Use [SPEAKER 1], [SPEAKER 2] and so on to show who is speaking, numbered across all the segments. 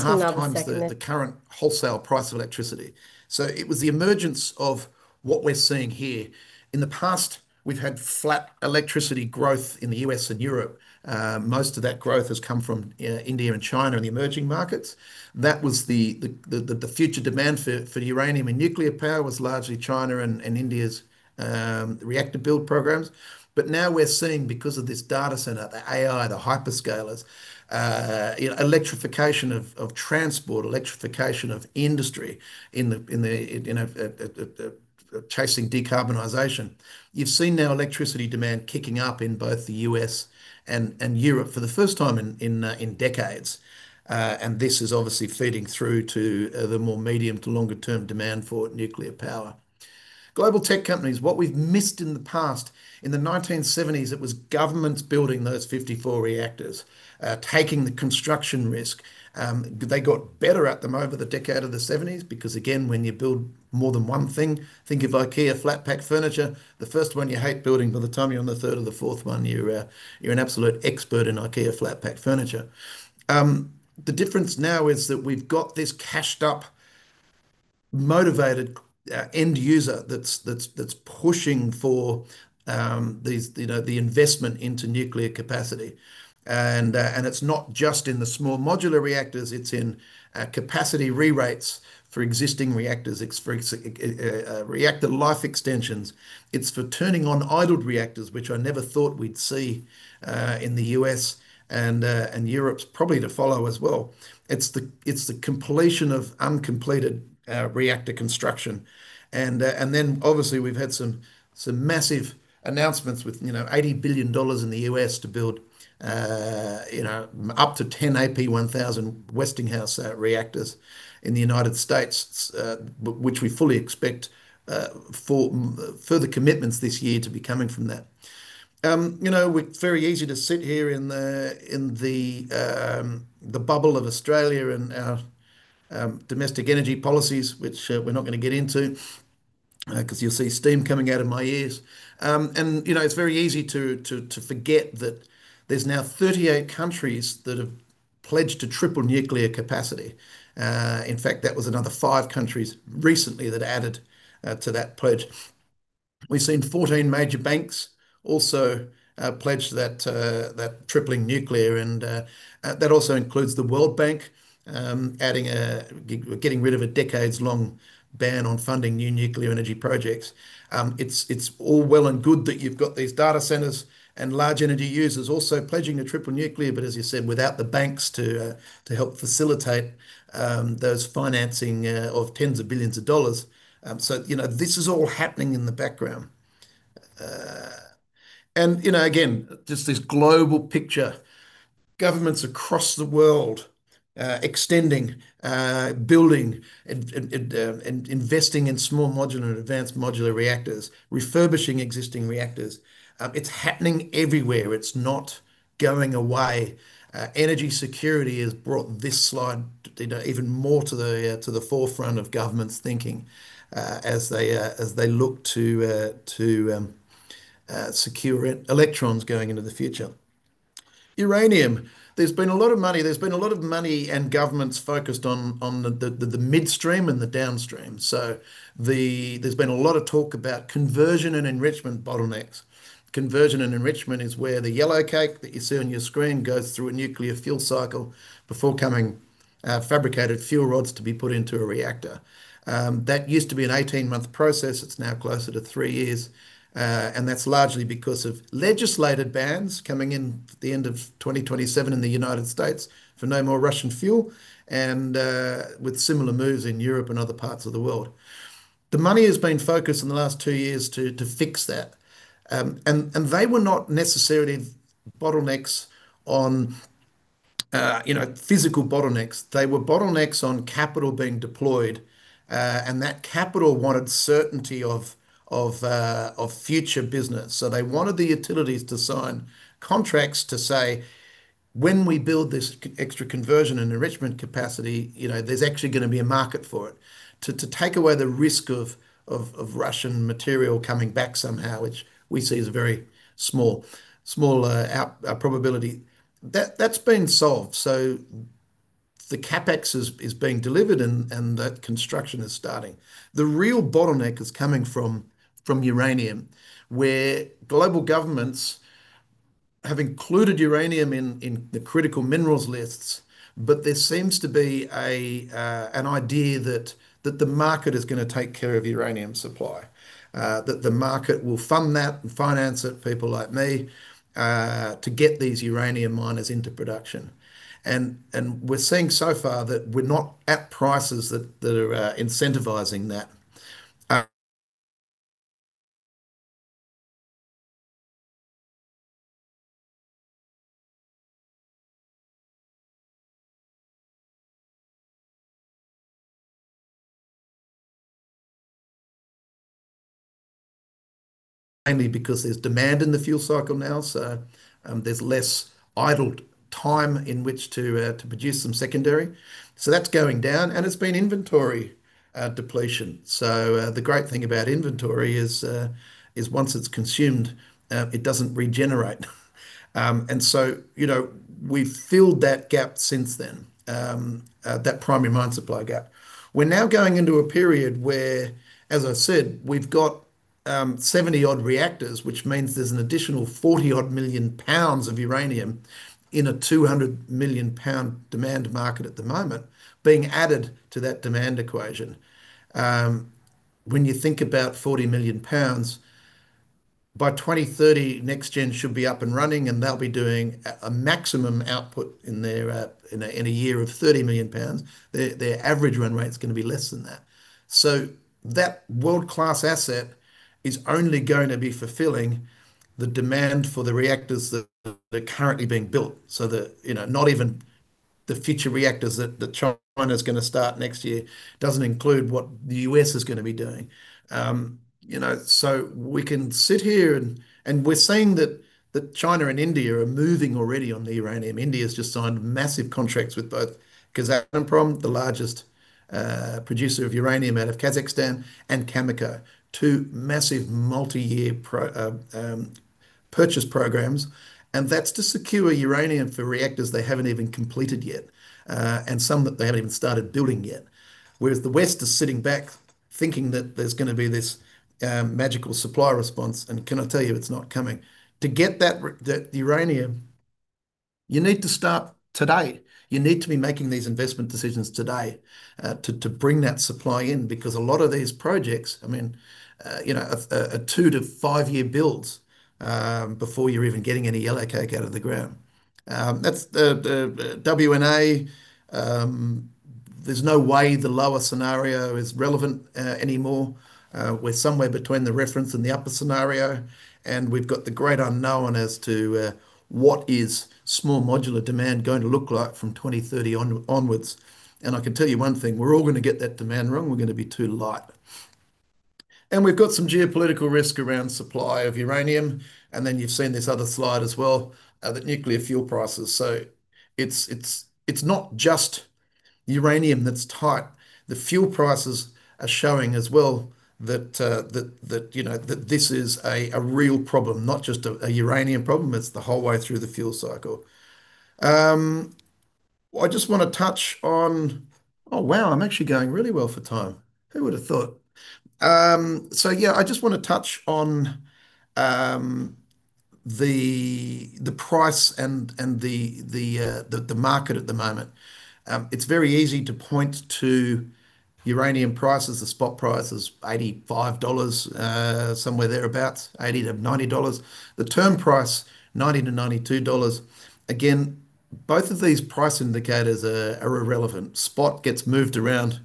[SPEAKER 1] Half times the current wholesale price of electricity. It was the emergence of what we're seeing here. In the past, we've had flat electricity growth in the U.S. and Europe. Most of that growth has come from India and China and the emerging markets. That was the future demand for uranium and nuclear power was largely China and India's reactor build programs. But now we're seeing because of this data center, the AI, the hyperscalers, you know, electrification of transport, electrification of industry in the, you know, chasing decarbonization. You've seen now electricity demand kicking up in both the U.S. and Europe for the first time in decades. This is obviously feeding through to the more medium to longer term demand for nuclear power. Global tech companies, what we've missed in the past, in the 1970s, it was governments building those 54 reactors, taking the construction risk. They got better at them over the decade of the 1970s because again, when you build more than one thing, think of IKEA flat pack furniture. The first one you hate building, by the time you're on the third or the fourth one, you're an absolute expert in IKEA flat pack furniture. The difference now is that we've got this cashed up, motivated end user that's pushing for these, you know, the investment into nuclear capacity. It's not just in the small modular reactors, it's in capacity re-rates for existing reactors, reactor life extensions. It's for turning on idled reactors, which I never thought we'd see, in the U.S. and Europe's probably to follow as well. It's the completion of uncompleted reactor construction. Then obviously, we've had some massive announcements with, you know, $80 billion in the U.S. to build, you know, up to 10 AP1000 Westinghouse reactors in the United States, which we fully expect for further commitments this year to be coming from that. You know, it's very easy to sit here in the bubble of Australia and our domestic energy policies, which we're not gonna get into, 'cause you'll see steam coming out of my ears. You know, it's very easy to forget that there's now 38 countries that have pledged to triple nuclear capacity. In fact, another five countries recently added to that pledge. We've seen 14 major banks also pledge that tripling nuclear, and that also includes the World Bank getting rid of a decades-long ban on funding new nuclear energy projects. It's all well and good that you've got these data centers and large energy users also pledging to triple nuclear, but as you said, without the banks to help facilitate those financing of $tens of billions. You know, this is all happening in the background. You know, again, just this global picture, governments across the world extending, building, investing in small modular and advanced modular reactors, refurbishing existing reactors. It's happening everywhere. It's not going away. Energy security has brought this slide, you know, even more to the forefront of governments' thinking as they look to secure electrons going into the future. Uranium, there's been a lot of money and governments focused on the midstream and the downstream. There's been a lot of talk about conversion and enrichment bottlenecks. Conversion and enrichment is where the yellowcake that you see on your screen goes through a nuclear fuel cycle before coming fabricated fuel rods to be put into a reactor. That used to be an 18-month process. It's now closer to three years, and that's largely because of legislated bans coming in the end of 2027 in the United States for no more Russian fuel and with similar moves in Europe and other parts of the world. The money has been focused in the last two years to fix that. They were not necessarily bottlenecks on, you know, physical bottlenecks. They were bottlenecks on capital being deployed, and that capital wanted certainty of future business. They wanted the utilities to sign contracts to say, "When we build this extra conversion and enrichment capacity, you know, there's actually gonna be a market for it," to take away the risk of Russian material coming back somehow, which we see is a very small probability. That's been solved. The CapEx is being delivered and that construction is starting. The real bottleneck is coming from uranium, where global governments have included uranium in the critical minerals lists, but there seems to be an idea that the market is gonna take care of uranium supply. That the market will fund that and finance it, people like me, to get these uranium miners into production. We're seeing so far that we're not at prices that are incentivizing that. Mainly because there's demand in the fuel cycle now, there's less idled time in which to produce some secondary. That's going down, and it's been inventory depletion. The great thing about inventory is once it's consumed, it doesn't regenerate. You know, we've filled that gap since then, that primary mine supply gap. We're now going into a period where, as I said, we've got 70-odd reactors, which means there's an additional 40-odd million pounds of uranium in a 200-million-pound demand market at the moment being added to that demand equation. When you think about 40 million pounds, by 2030, NexGen should be up and running, and they'll be doing a maximum output in a year of 30 million pounds. Their average run rate's gonna be less than that. That world-class asset is only gonna be fulfilling the demand for the reactors that are currently being built, you know, not even the future reactors that China's gonna start next year, doesn't include what the U.S. is gonna be doing. You know, we can sit here and we're seeing that China and India are moving already on the uranium. India's just signed massive contracts with both Kazatomprom, the largest producer of uranium out of Kazakhstan, and Cameco, two massive multi-year purchase programs, and that's to secure uranium for reactors they haven't even completed yet, and some that they haven't even started building yet. Whereas the West is sitting back thinking that there's gonna be this magical supply response, and can I tell you, it's not coming. To get that uranium, you need to start today. You need to be making these investment decisions today to bring that supply in because a lot of these projects, I mean, you know, a 2-5-year build before you're even getting any yellowcake out of the ground. That's the WNA. There's no way the lower scenario is relevant anymore. We're somewhere between the reference and the upper scenario, and we've got the great unknown as to what is small modular demand going to look like from 2030 onwards. I can tell you one thing, we're all gonna get that demand wrong. We're gonna be too light. We've got some geopolitical risk around supply of uranium, and then you've seen this other slide as well, the nuclear fuel prices. It's not just uranium that's tight. The fuel prices are showing as well that you know that this is a real problem, not just a uranium problem, it's the whole way through the fuel cycle. Oh, wow, I'm actually going really well for time. Who would have thought? Yeah, I just wanna touch on the price and the market at the moment. It's very easy to point to uranium prices. The spot price is $85, somewhere thereabout, $80-$90. The term price, $90-$92. Again, both of these price indicators are irrelevant. Spot gets moved around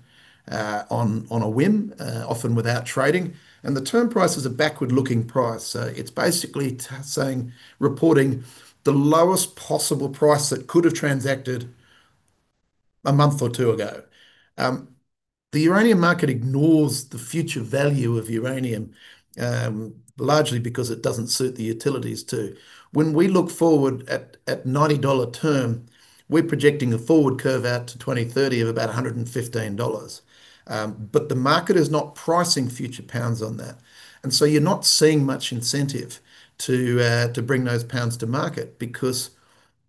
[SPEAKER 1] on a whim, often without trading. The term price is a backward-looking price. It's basically saying, reporting the lowest possible price that could have transacted a month or two ago. The uranium market ignores the future value of uranium, largely because it doesn't suit the utilities too. When we look forward at $90 term, we're projecting a forward curve out to 2030 of about $115. But the market is not pricing future pounds on that. You're not seeing much incentive to bring those pounds to market because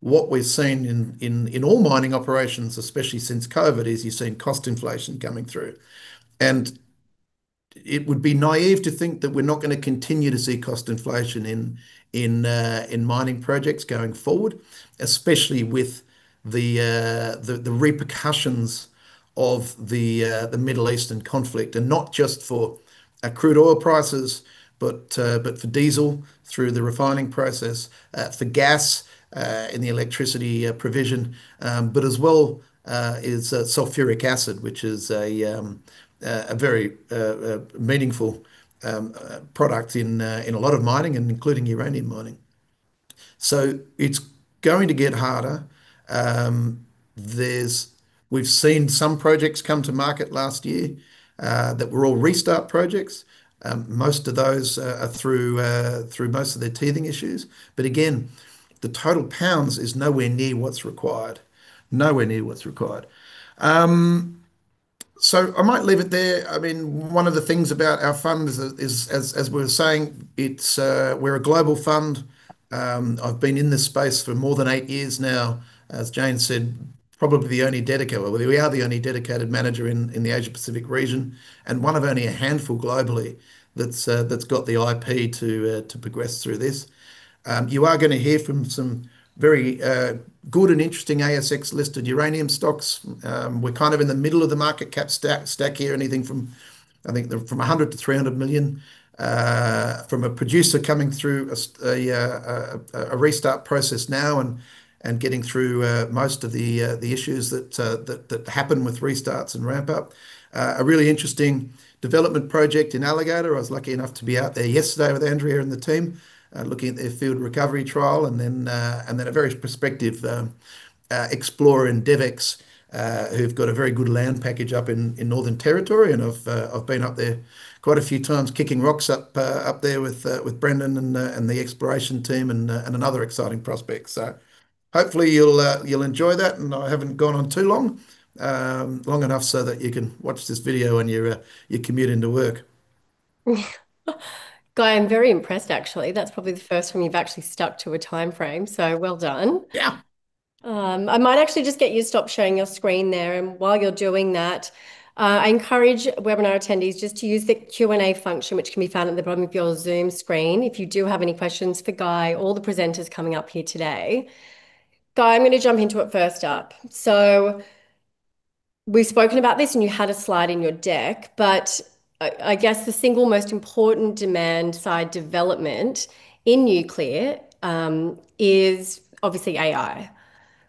[SPEAKER 1] what we're seeing in all mining operations, especially since COVID, is you're seeing cost inflation coming through. It would be naive to think that we're not gonna continue to see cost inflation in mining projects going forward, especially with the repercussions of the Middle Eastern conflict, and not just for crude oil prices, but for diesel through the refining process, for gas in the electricity provision, but as well is sulfuric acid, which is a very meaningful product in a lot of mining and including uranium mining. It's going to get harder. We've seen some projects come to market last year that were all restart projects. Most of those are through most of their teething issues. Again, the total pounds is nowhere near what's required. Nowhere near what's required. I might leave it there. I mean, one of the things about our fund is that, as we're saying, it's, we're a global fund. I've been in this space for more than eight years now. As Jane said, probably the only dedicated. Well, we are the only dedicated manager in the Asia-Pacific region, and one of only a handful globally that's got the IP to progress through this. You are gonna hear from some very good and interesting ASX-listed uranium stocks. We're kind of in the middle of the market cap stack here, anything from, I think, 100 million-300 million from a producer coming through a restart process now and getting through most of the issues that happen with restarts and ramp up. A really interesting development project in Alligator. I was lucky enough to be out there yesterday with Andrea and the team looking at their field recovery trial, and then a very prospective explorer in DevEx who've got a very good land package up in Northern Territory. I've been up there quite a few times kicking rocks up there with Brendan and the exploration team and another exciting prospect. Hopefully you'll enjoy that, and I haven't gone on too long. Long enough so that you can watch this video on your commute into work.
[SPEAKER 2] Guy, I'm very impressed actually. That's probably the first time you've actually stuck to a timeframe, so well done.
[SPEAKER 1] Yeah.
[SPEAKER 2] I might actually just get you to stop sharing your screen there, and while you're doing that, I encourage webinar attendees just to use the Q&A function, which can be found at the bottom of your Zoom screen, if you do have any questions for Guy or the presenters coming up here today. Guy, I'm gonna jump into it first up. We've spoken about this and you had a slide in your deck, but I guess the single most important demand-side development in nuclear is obviously AI.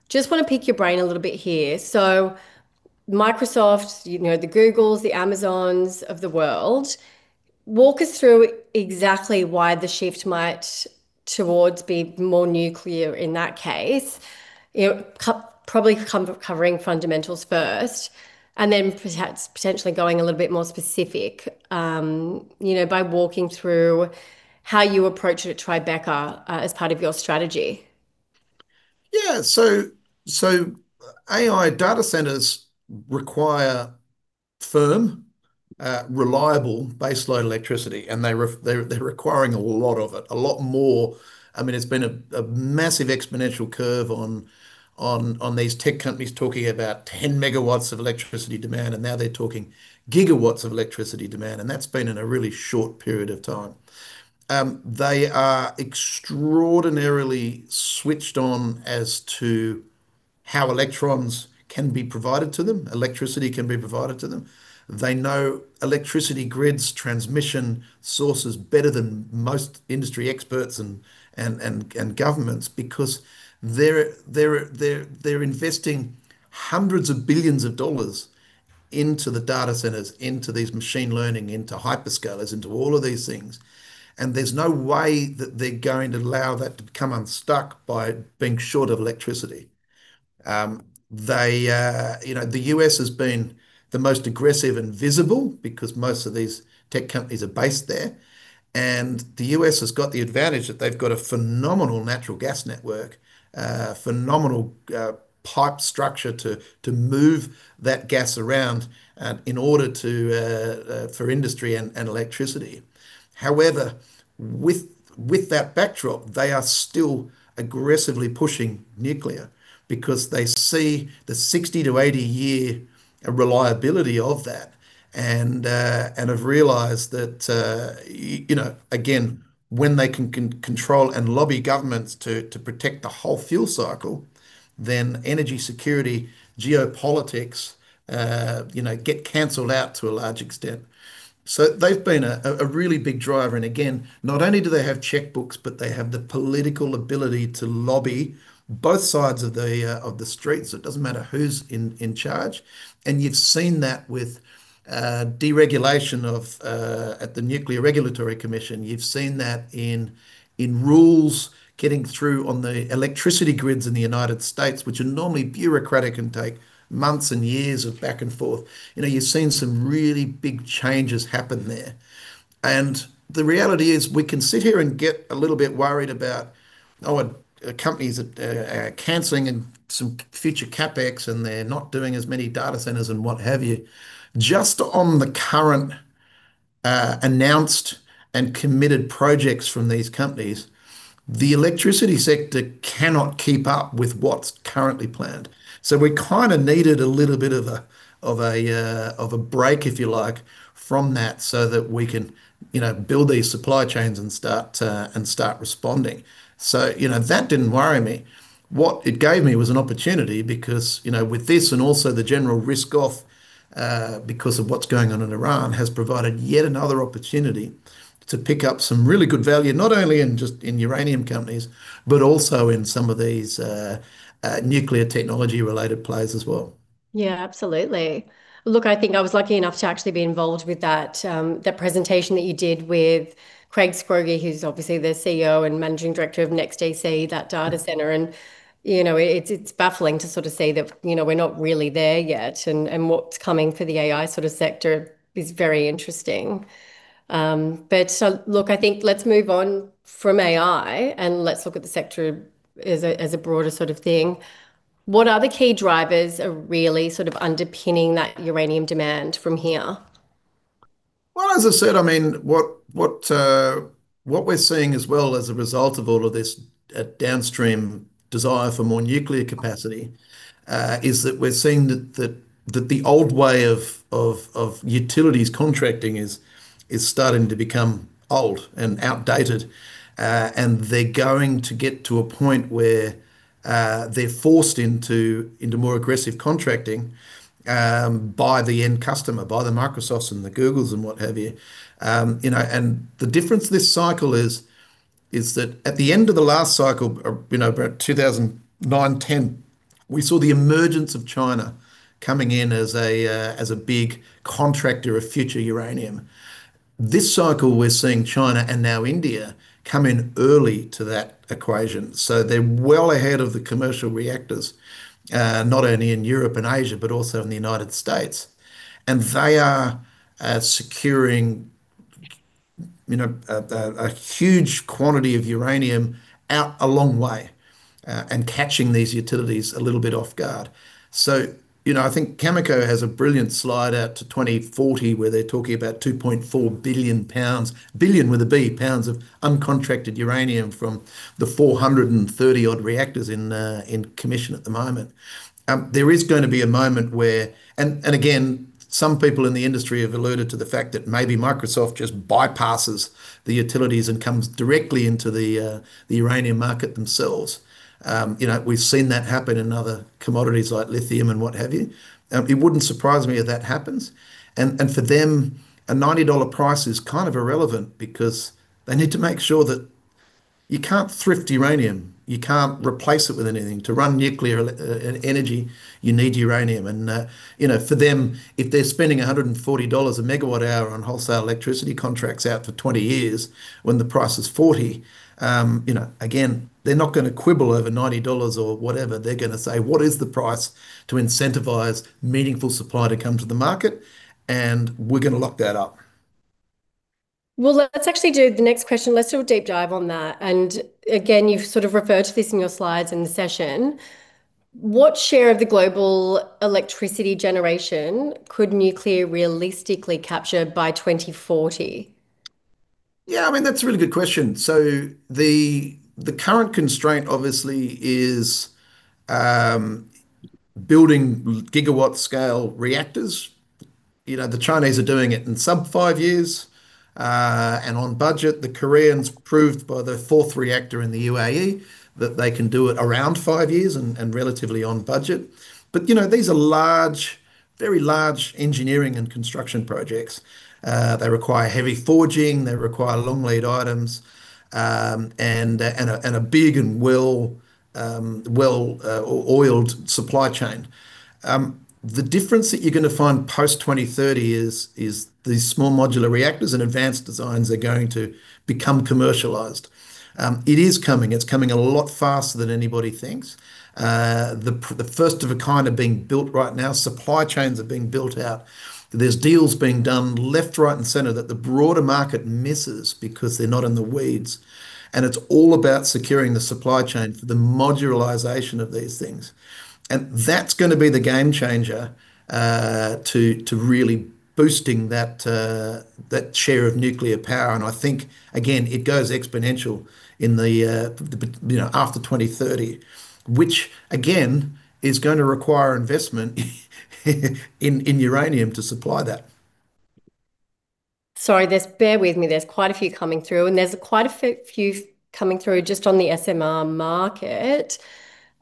[SPEAKER 2] Just wanna pick your brain a little bit here. Microsoft, you know, the Googles, the Amazons of the world, walk us through exactly why the shift might towards be more nuclear in that case. You know, probably covering fundamentals first, and then perhaps potentially going a little bit more specific, you know, by walking through how you approach it at Tribeca, as part of your strategy.
[SPEAKER 1] AI data centers require firm, reliable baseline electricity, and they're requiring a lot of it, a lot more. I mean, it's been a massive exponential curve on these tech companies talking about 10 MW of electricity demand, and now they're talking GW of electricity demand, and that's been in a really short period of time. They are extraordinarily switched on as to how electrons can be provided to them, electricity can be provided to them. They know electricity grids, transmission sources better than most industry experts and governments because they're investing hundreds of billions of dollars into the data centers, into these machine learning, into hyperscalers, into all of these things, and there's no way that they're going to allow that to become unstuck by being short of electricity. They, you know, the U.S. has been the most aggressive and visible because most of these tech companies are based there, and the U.S. has got the advantage that they've got a phenomenal natural gas network, phenomenal pipe structure to move that gas around in order to for industry and electricity. However, with that backdrop, they are still aggressively pushing nuclear because they see the 60-80-year reliability of that and have realized that, you know, again, when they can control and lobby governments to protect the whole fuel cycle, then energy security, geopolitics, you know, get canceled out to a large extent. They've been a really big driver and, again, not only do they have checkbooks, but they have the political ability to lobby both sides of the street, so it doesn't matter who's in charge. You've seen that with deregulation at the Nuclear Regulatory Commission. You've seen that in rules getting through on the electricity grids in the United States, which are normally bureaucratic and take months and years of back and forth. You know, you've seen some really big changes happen there. The reality is we can sit here and get a little bit worried about a company's canceling some future CapEx and they're not doing as many data centers and what have you. Just on the current announced and committed projects from these companies, the electricity sector cannot keep up with what's currently planned. We kind of needed a little bit of a break, if you like, from that, so that we can, you know, build these supply chains and start responding. You know, that didn't worry me. What it gave me was an opportunity because, you know, with this and also the general risk-off because of what's going on in Iran, has provided yet another opportunity to pick up some really good value, not only in just in uranium companies, but also in some of these nuclear technology-related plays as well.
[SPEAKER 2] Yeah, absolutely. Look, I think I was lucky enough to actually be involved with that presentation that you did with Craig Scroggie, who's obviously the CEO and Managing Director of NEXTDC, that data center, and, you know, it's baffling to sort of see that, you know, we're not really there yet and what's coming for the AI sort of sector is very interesting. Look, I think let's move on from AI and let's look at the sector as a broader sort of thing. What are the key drivers really sort of underpinning that uranium demand from here?
[SPEAKER 1] Well, as I said, I mean, what we're seeing as well as a result of all of this, downstream desire for more nuclear capacity, is that we're seeing that the old way of utilities contracting is starting to become old and outdated. They're going to get to a point where they're forced into more aggressive contracting by the end customer, by the Microsofts and the Googles and what have you. You know, the difference this cycle is that at the end of the last cycle, or you know about 2009, 2010, we saw the emergence of China coming in as a big contractor of future uranium. This cycle we're seeing China and now India come in early to that equation. They're well ahead of the commercial reactors, not only in Europe and Asia, but also in the United States, and they are securing you know, a huge quantity of uranium out a long way, and catching these utilities a little bit off guard. You know, I think Cameco has a brilliant slide out to 2040 where they're talking about 2.4 billion pounds, billion with a B, pounds of uncontracted uranium from the 430-odd reactors in commission at the moment. There is gonna be a moment where again, some people in the industry have alluded to the fact that maybe Microsoft just bypasses the utilities and comes directly into the uranium market themselves. You know, we've seen that happen in other commodities like lithium and what have you. It wouldn't surprise me if that happens. For them, a $90 price is kind of irrelevant because they need to make sure that you can't thrift uranium, you can't replace it with anything. To run nuclear energy, you need uranium. You know, for them, if they're spending $140/MWh on wholesale electricity contracts out for 20 years when the price is $40, you know, again, they're not gonna quibble over $90 or whatever. They're gonna say, "What is the price to incentivize meaningful supply to come to the market?" We're gonna lock that up.
[SPEAKER 2] Well, let's actually do the next question. Let's do a deep dive on that. Again, you've sort of referred to this in your slides in the session. What share of the global electricity generation could nuclear realistically capture by 2040?
[SPEAKER 1] Yeah, I mean, that's a really good question. The current constraint obviously is building gigawatt-scale reactors. You know, the Chinese are doing it in sub-five years and on budget. The Koreans proved by the fourth reactor in the UAE that they can do it around five years and relatively on budget. You know, these are large, very large engineering and construction projects. They require heavy forging. They require long lead items and a big and well-oiled supply chain. The difference that you're gonna find post-2030 is these small modular reactors and advanced designs are going to become commercialized. It is coming. It's coming a lot faster than anybody thinks. The first-of-a-kind are being built right now. Supply chains are being built out. There's deals being done left, right, and center that the broader market misses because they're not in the weeds. It's all about securing the supply chain for the modularization of these things. That's gonna be the game changer to really boosting that share of nuclear power. I think again, it goes exponential in the you know after 2030, which again, is gonna require investment in uranium to supply that.
[SPEAKER 2] Sorry, Bear with me. There's quite a few coming through, and there's quite a few coming through just on the SMR market.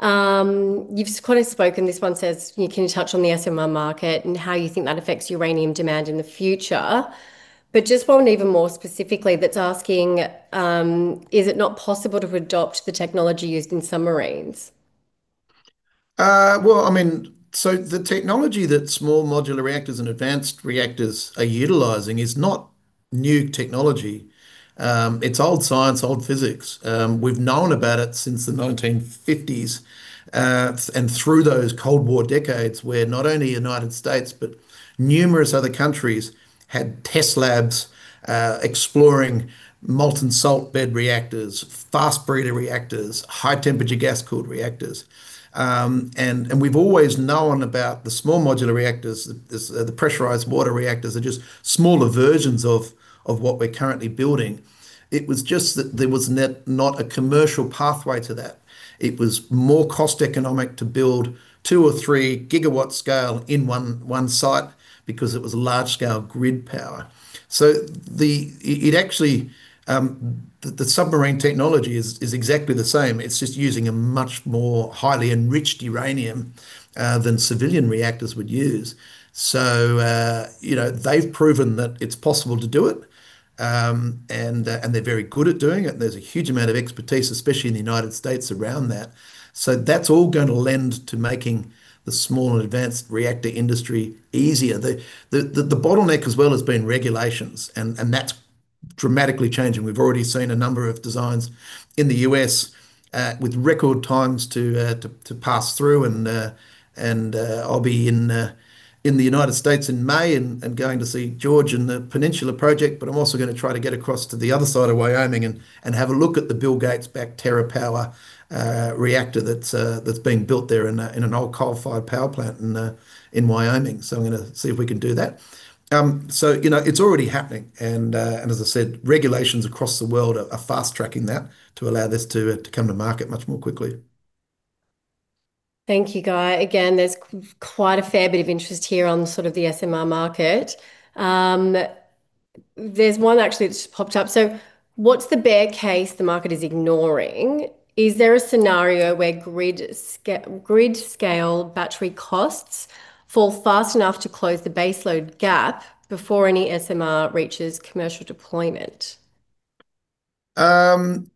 [SPEAKER 2] You've kind of spoken, this one says, "Can you touch on the SMR market and how you think that affects uranium demand in the future?" But just one even more specifically that's asking, "Is it not possible to adopt the technology used in submarines?
[SPEAKER 1] Well, I mean, the technology that small modular reactors and advanced reactors are utilizing is not new technology. It's old science, old physics. We've known about it since the 1950s and through those Cold War decades where not only United States but numerous other countries had test labs exploring molten salt reactors, fast breeder reactors, high-temperature gas-cooled reactors. We've always known about the small modular reactors. The pressurized water reactors are just smaller versions of what we're currently building. It was just that there was not a commercial pathway to that. It was more cost-effective to build 2- or 3-GW-scale in one site because it was a large-scale grid power. The submarine technology is exactly the same. It's just using a much more highly enriched uranium than civilian reactors would use. You know, they've proven that it's possible to do it, and they're very good at doing it. There's a huge amount of expertise, especially in the United States around that. That's all gonna lend to making the small and advanced reactor industry easier. The bottleneck as well has been regulations, and that's dramatically changing. We've already seen a number of designs in the U.S. with record times to pass through and I'll be in the United States in May and going to see George in the Peninsula project, but I'm also gonna try to get across to the other side of Wyoming and have a look at the Bill Gates backed TerraPower reactor that's being built there in an old coal-fired power plant in Wyoming. I'm gonna see if we can do that. You know, it's already happening and as I said, regulations across the world are fast tracking that to allow this to come to market much more quickly.
[SPEAKER 2] Thank you, Guy. Again, there's quite a fair bit of interest here on sort of the SMR market. There's one actually that's just popped up. What's the bear case the market is ignoring? Is there a scenario where grid scale battery costs fall fast enough to close the base load gap before any SMR reaches commercial deployment?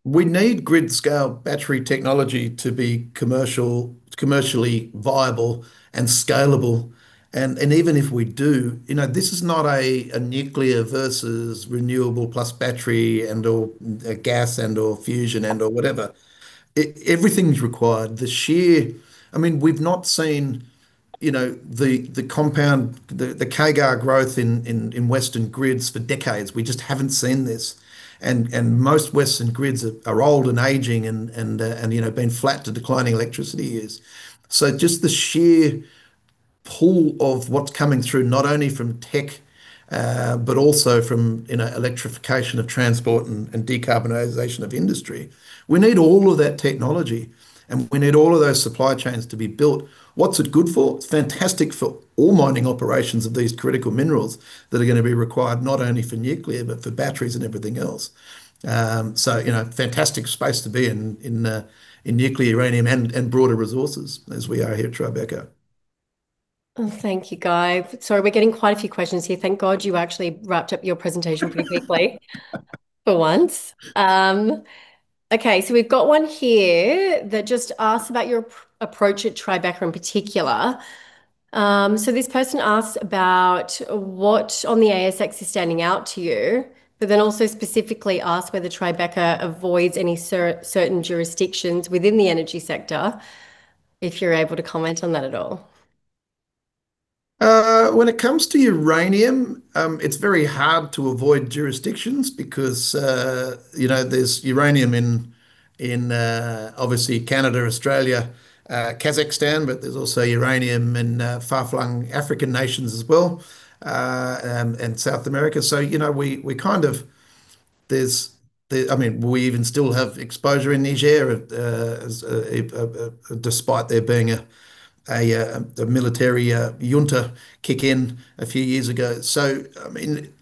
[SPEAKER 1] We need grid scale battery technology to be commercial, commercially viable and scalable and even if we do, you know, this is not a nuclear versus renewable plus battery and/or a gas and/or fusion and/or whatever. Everything's required. The sheer, I mean, we've not seen. You know, the compound, the CAGR growth in Western grids for decades, we just haven't seen this. Most Western grids are old and aging and you know, been flat to declining electricity use. Just the sheer pull of what's coming through, not only from tech, but also from, you know, electrification of transport and decarbonization of industry, we need all of that technology and we need all of those supply chains to be built. What's it good for? It's fantastic for all mining operations of these critical minerals that are gonna be required not only for nuclear, but for batteries and everything else. You know, fantastic space to be in nuclear uranium and broader resources as we are here at Tribeca.
[SPEAKER 2] Oh, thank you, Guy. Sorry, we're getting quite a few questions here. Thank God you actually wrapped up your presentation pretty quickly for once. Okay, we've got one here that just asks about your approach at Tribeca in particular. This person asks about what on the ASX is standing out to you, but then also specifically asks whether Tribeca avoids any certain jurisdictions within the energy sector, if you're able to comment on that at all.
[SPEAKER 1] When it comes to uranium, it's very hard to avoid jurisdictions because, you know, there's uranium in, obviously Canada, Australia, Kazakhstan, but there's also uranium in far-flung African nations as well, and South America. I mean, we even still have exposure in Niger, despite there being a military junta coup a few years ago. I mean,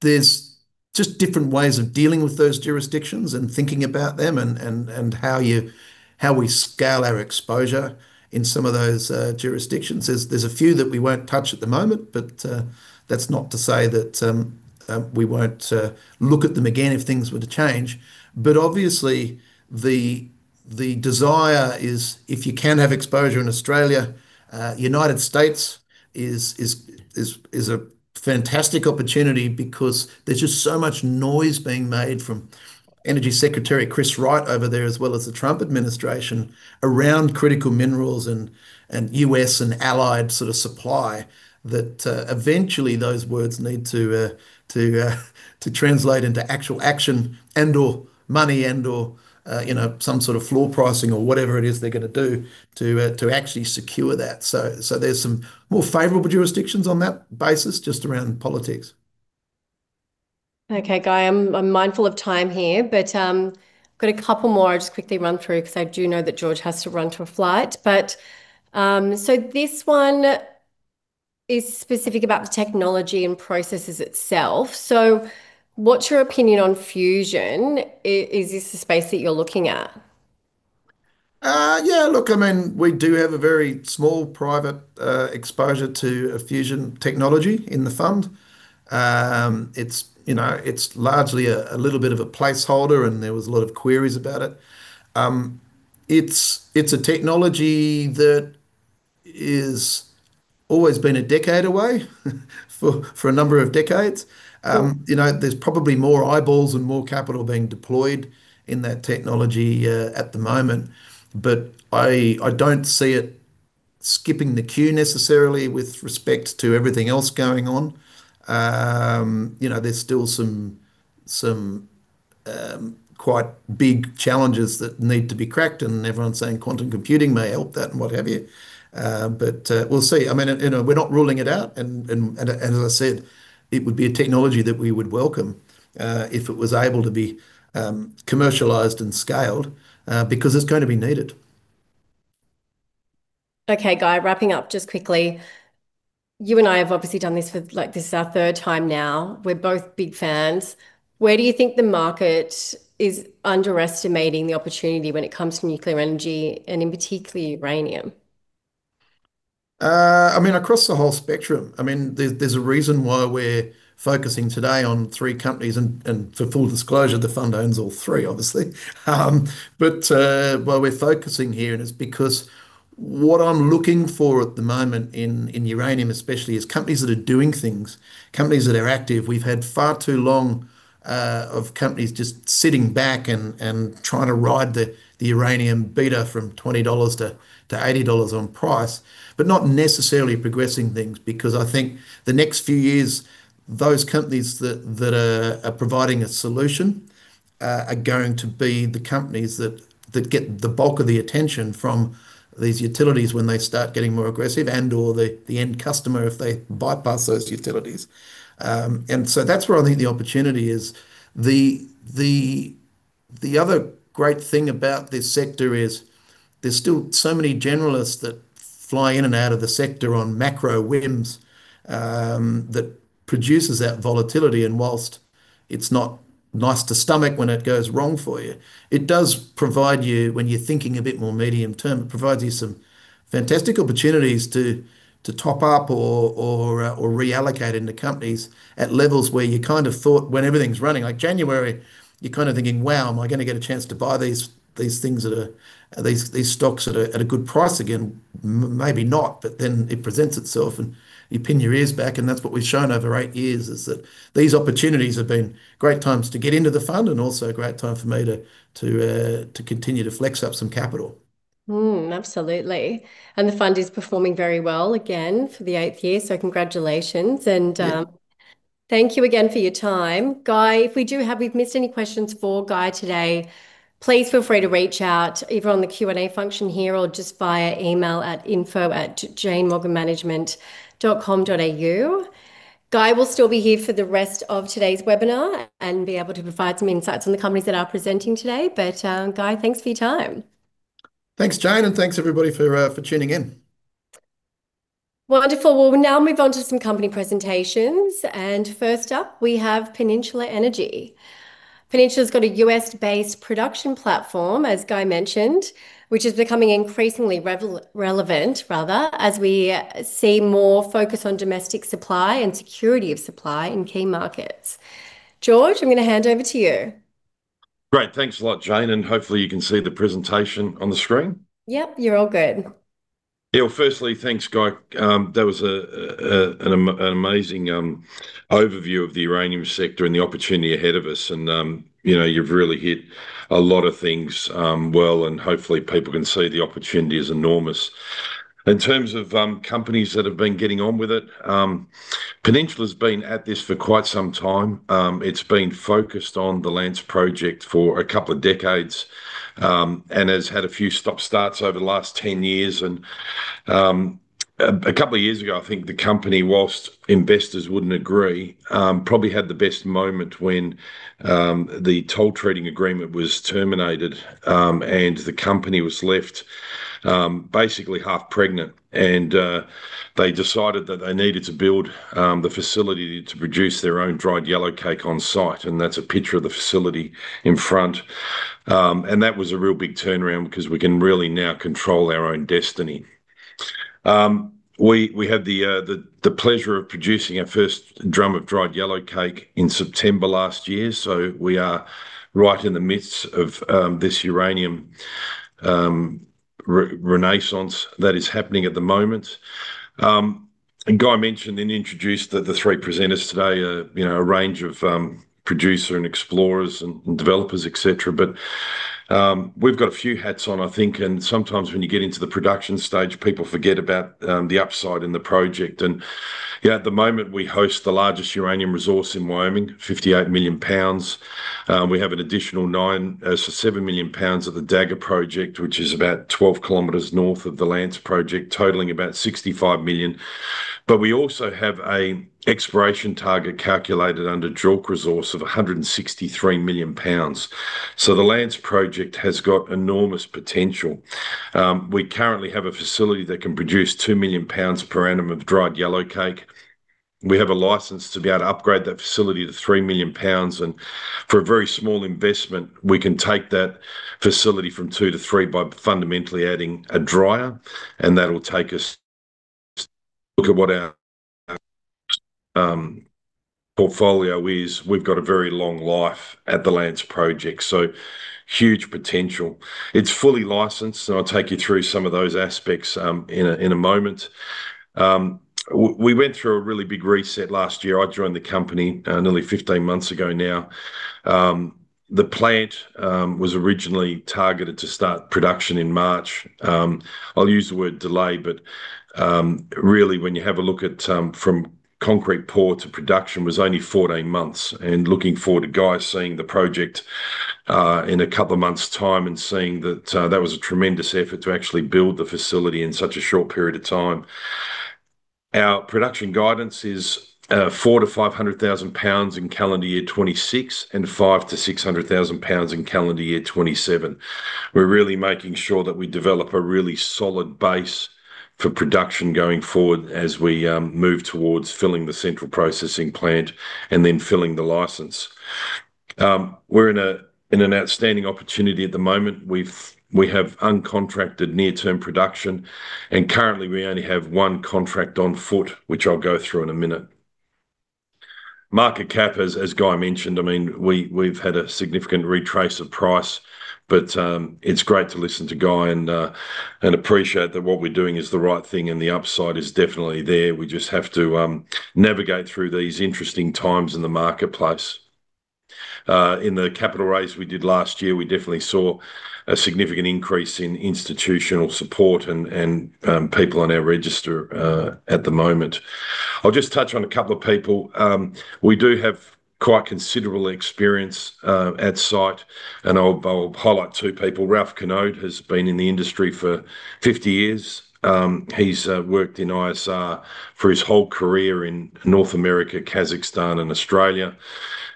[SPEAKER 1] there's just different ways of dealing with those jurisdictions and thinking about them and how we scale our exposure in some of those jurisdictions. There's a few that we won't touch at the moment, but that's not to say that we won't look at them again if things were to change. Obviously the desire is if you can have exposure in Australia, United States is a fantastic opportunity because there's just so much noise being made from Secretary of Energy Chris Wright over there, as well as the Trump administration around critical minerals and U.S. and allied sort of supply that, eventually those words need to translate into actual action and/or money and/or, you know, some sort of floor pricing or whatever it is they're gonna do to actually secure that. There's some more favorable jurisdictions on that basis, just around politics.
[SPEAKER 2] Okay, Guy, I'm mindful of time here, but I've got a couple more I'll just quickly run through because I do know that George has to run to a flight. This one is specific about the technology and processes itself. What's your opinion on fusion? Is this the space that you're looking at?
[SPEAKER 1] Yeah, look, I mean, we do have a very small private exposure to a fusion technology in the fund. It's, you know, it's largely a little bit of a placeholder and there was a lot of queries about it. It's a technology that is always been a decade away for a number of decades. You know, there's probably more eyeballs and more capital being deployed in that technology at the moment, but I don't see it skipping the queue necessarily with respect to everything else going on. You know, there's still some quite big challenges that need to be cracked and everyone's saying quantum computing may help that and what have you. But we'll see. I mean, you know, we're not ruling it out and as I said, it would be a technology that we would welcome if it was able to be commercialized and scaled because it's going to be needed.
[SPEAKER 2] Okay, Guy, wrapping up just quickly. You and I have obviously done this for, like, this is our third time now. We're both big fans. Where do you think the market is underestimating the opportunity when it comes to nuclear energy and in particular uranium?
[SPEAKER 1] I mean, across the whole spectrum. I mean, there's a reason why we're focusing today on three companies and for full disclosure, the fund owns all three, obviously. While we're focusing here, it's because what I'm looking for at the moment in uranium especially is companies that are doing things, companies that are active. We've had far too long of companies just sitting back and trying to ride the uranium beta from $20-$80 on price, but not necessarily progressing things because I think the next few years, those companies that are providing a solution are going to be the companies that get the bulk of the attention from these utilities when they start getting more aggressive and/or the end customer if they bypass those utilities. That's where I think the opportunity is. The other great thing about this sector is there's still so many generalists that fly in and out of the sector on macro whims that produces that volatility and while it's not nice to stomach when it goes wrong for you, it does provide you, when you're thinking a bit more medium term, it provides you some fantastic opportunities to top up or reallocate into companies at levels where you kind of thought when everything's running. Like January, you're kind of thinking, "Wow, am I gonna get a chance to buy these stocks at a good price again?" Maybe not, but then it presents itself and you pin your ears back and that's what we've shown over eight years is that these opportunities have been great times to get into the fund and also a great time for me to continue to flex up some capital.
[SPEAKER 2] Absolutely. The fund is performing very well again for the eighth year. Congratulations.
[SPEAKER 1] Yeah.
[SPEAKER 2] Thank you again for your time. Guy, if we've missed any questions for Guy today, please feel free to reach out either on the Q&A function here or just via email at info@janemorganmanagement.com.au. Guy will still be here for the rest of today's webinar and be able to provide some insights on the companies that are presenting today. Guy, thanks for your time.
[SPEAKER 1] Thanks, Jane, and thanks everybody for tuning in.
[SPEAKER 2] Wonderful. We'll now move on to some company presentations. First up, we have Peninsula Energy. Peninsula's got a U.S. based production platform, as Guy mentioned, which is becoming increasingly relevant, rather, as we see more focus on domestic supply and security of supply in key markets. George, I'm gonna hand over to you.
[SPEAKER 3] Great. Thanks a lot, Jane, and hopefully you can see the presentation on the screen.
[SPEAKER 2] Yep, you're all good.
[SPEAKER 3] Yeah. Well, firstly, thanks, Guy. That was an amazing overview of the uranium sector and the opportunity ahead of us and, you know, you've really hit a lot of things well, and hopefully people can see the opportunity is enormous. In terms of companies that have been getting on with it, Peninsula's been at this for quite some time. It's been focused on the Lance Project for a couple of decades and has had a few stop-starts over the last 10 years. A couple of years ago, I think the company, while investors wouldn't agree, probably had the best moment when the toll treating agreement was terminated and the company was left basically half pregnant and they decided that they needed to build the facility to produce their own dried yellowcake on site, and that's a picture of the facility in front. That was a real big turnaround because we can really now control our own destiny. We had the pleasure of producing our first drum of dried yellowcake in September last year, so we are right in the midst of this uranium renaissance that is happening at the moment. Guy mentioned and introduced the three presenters today, you know, a range of producer and explorers and developers, etc. We've got a few hats on, I think, and sometimes when you get into the production stage, people forget about the upside in the project. You know, at the moment, we host the largest uranium resource in Wyoming, 58 million pounds. We have an additional seven million pounds of the Dagger Project, which is about 12 kms north of the Lance Project, totaling about 65 million. We also have an exploration target calculated under JORC resource of 163 million pounds. The Lance Project has got enormous potential. We currently have a facility that can produce 2 million pounds per annum of dried yellowcake. We have a license to be able to upgrade that facility to 3 million pounds, and for a very small investment, we can take that facility from 2-3 by fundamentally adding a dryer, and that'll take us. Look at what our portfolio is. We've got a very long life at the Lance Project, so huge potential. It's fully licensed, and I'll take you through some of those aspects in a moment. We went through a really big reset last year. I joined the company nearly 15 months ago now. The plant was originally targeted to start production in March. I'll use the word delay, but really when you have a look at from concrete pour to production was only 14 months. Looking forward to Guy seeing the project in a couple of months' time and seeing that that was a tremendous effort to actually build the facility in such a short period of time. Our production guidance is 400,000-500,000 pounds in calendar year 2026 and 500,000-600,000 pounds in calendar year 2027. We're really making sure that we develop a really solid base for production going forward as we move towards filling the central processing plant and then filling the license. We're in an outstanding opportunity at the moment. We have uncontracted near-term production and currently we only have one contract on foot, which I'll go through in a minute. Market cap, as Guy mentioned, I mean, we've had a significant retrace of price, but it's great to listen to Guy and appreciate that what we're doing is the right thing and the upside is definitely there. We just have to navigate through these interesting times in the marketplace. In the capital raise we did last year, we definitely saw a significant increase in institutional support and people on our register at the moment. I'll just touch on a couple of people. We do have quite considerable experience at site, and I'll highlight two people. Ralph Knode has been in the industry for 50 years. He's worked in ISR for his whole career in North America, Kazakhstan and Australia.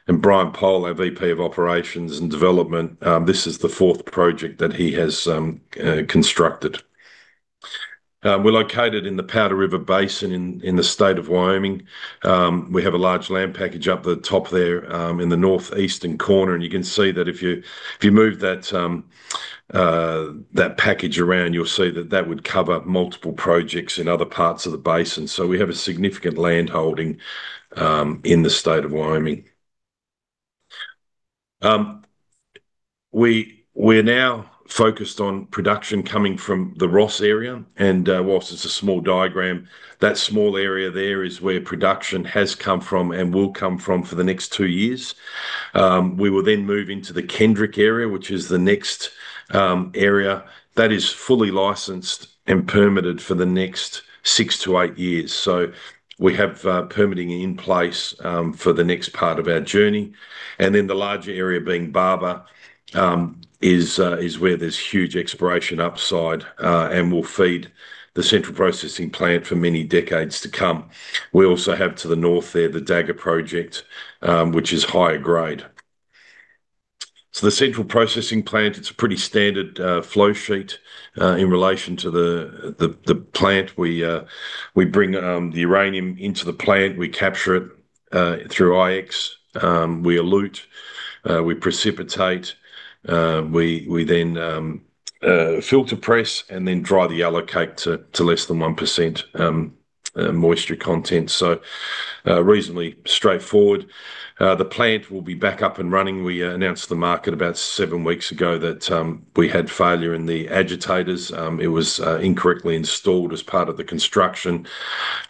[SPEAKER 3] Brian Pile, our VP of Operations and Development, this is the fourth project that he has constructed. We're located in the Powder River Basin in the state of Wyoming. We have a large land package up the top there in the northeastern corner. You can see that if you move that package around, you'll see that that would cover multiple projects in other parts of the basin. We have a significant land holding in the state of Wyoming. We're now focused on production coming from the Ross area, and while it's a small diagram, that small area there is where production has come from and will come from for the next 2 years. We will then move into the Kendrick area, which is the next area. That is fully licensed and permitted for the next 6-8 years. We have permitting in place for the next part of our journey. Then the larger area being Barber is where there's huge exploration upside and will feed the central processing plant for many decades to come. We also have to the north there the Dagger project which is higher grade. The central processing plant it's a pretty standard flow sheet in relation to the plant. We bring the uranium into the plant. We capture it through IX. We elute we precipitate we then filter press and then dry the yellowcake to less than 1% moisture content. Reasonably straightforward. The plant will be back up and running. We announced to the market about seven weeks ago that we had failure in the agitators. It was incorrectly installed as part of the construction.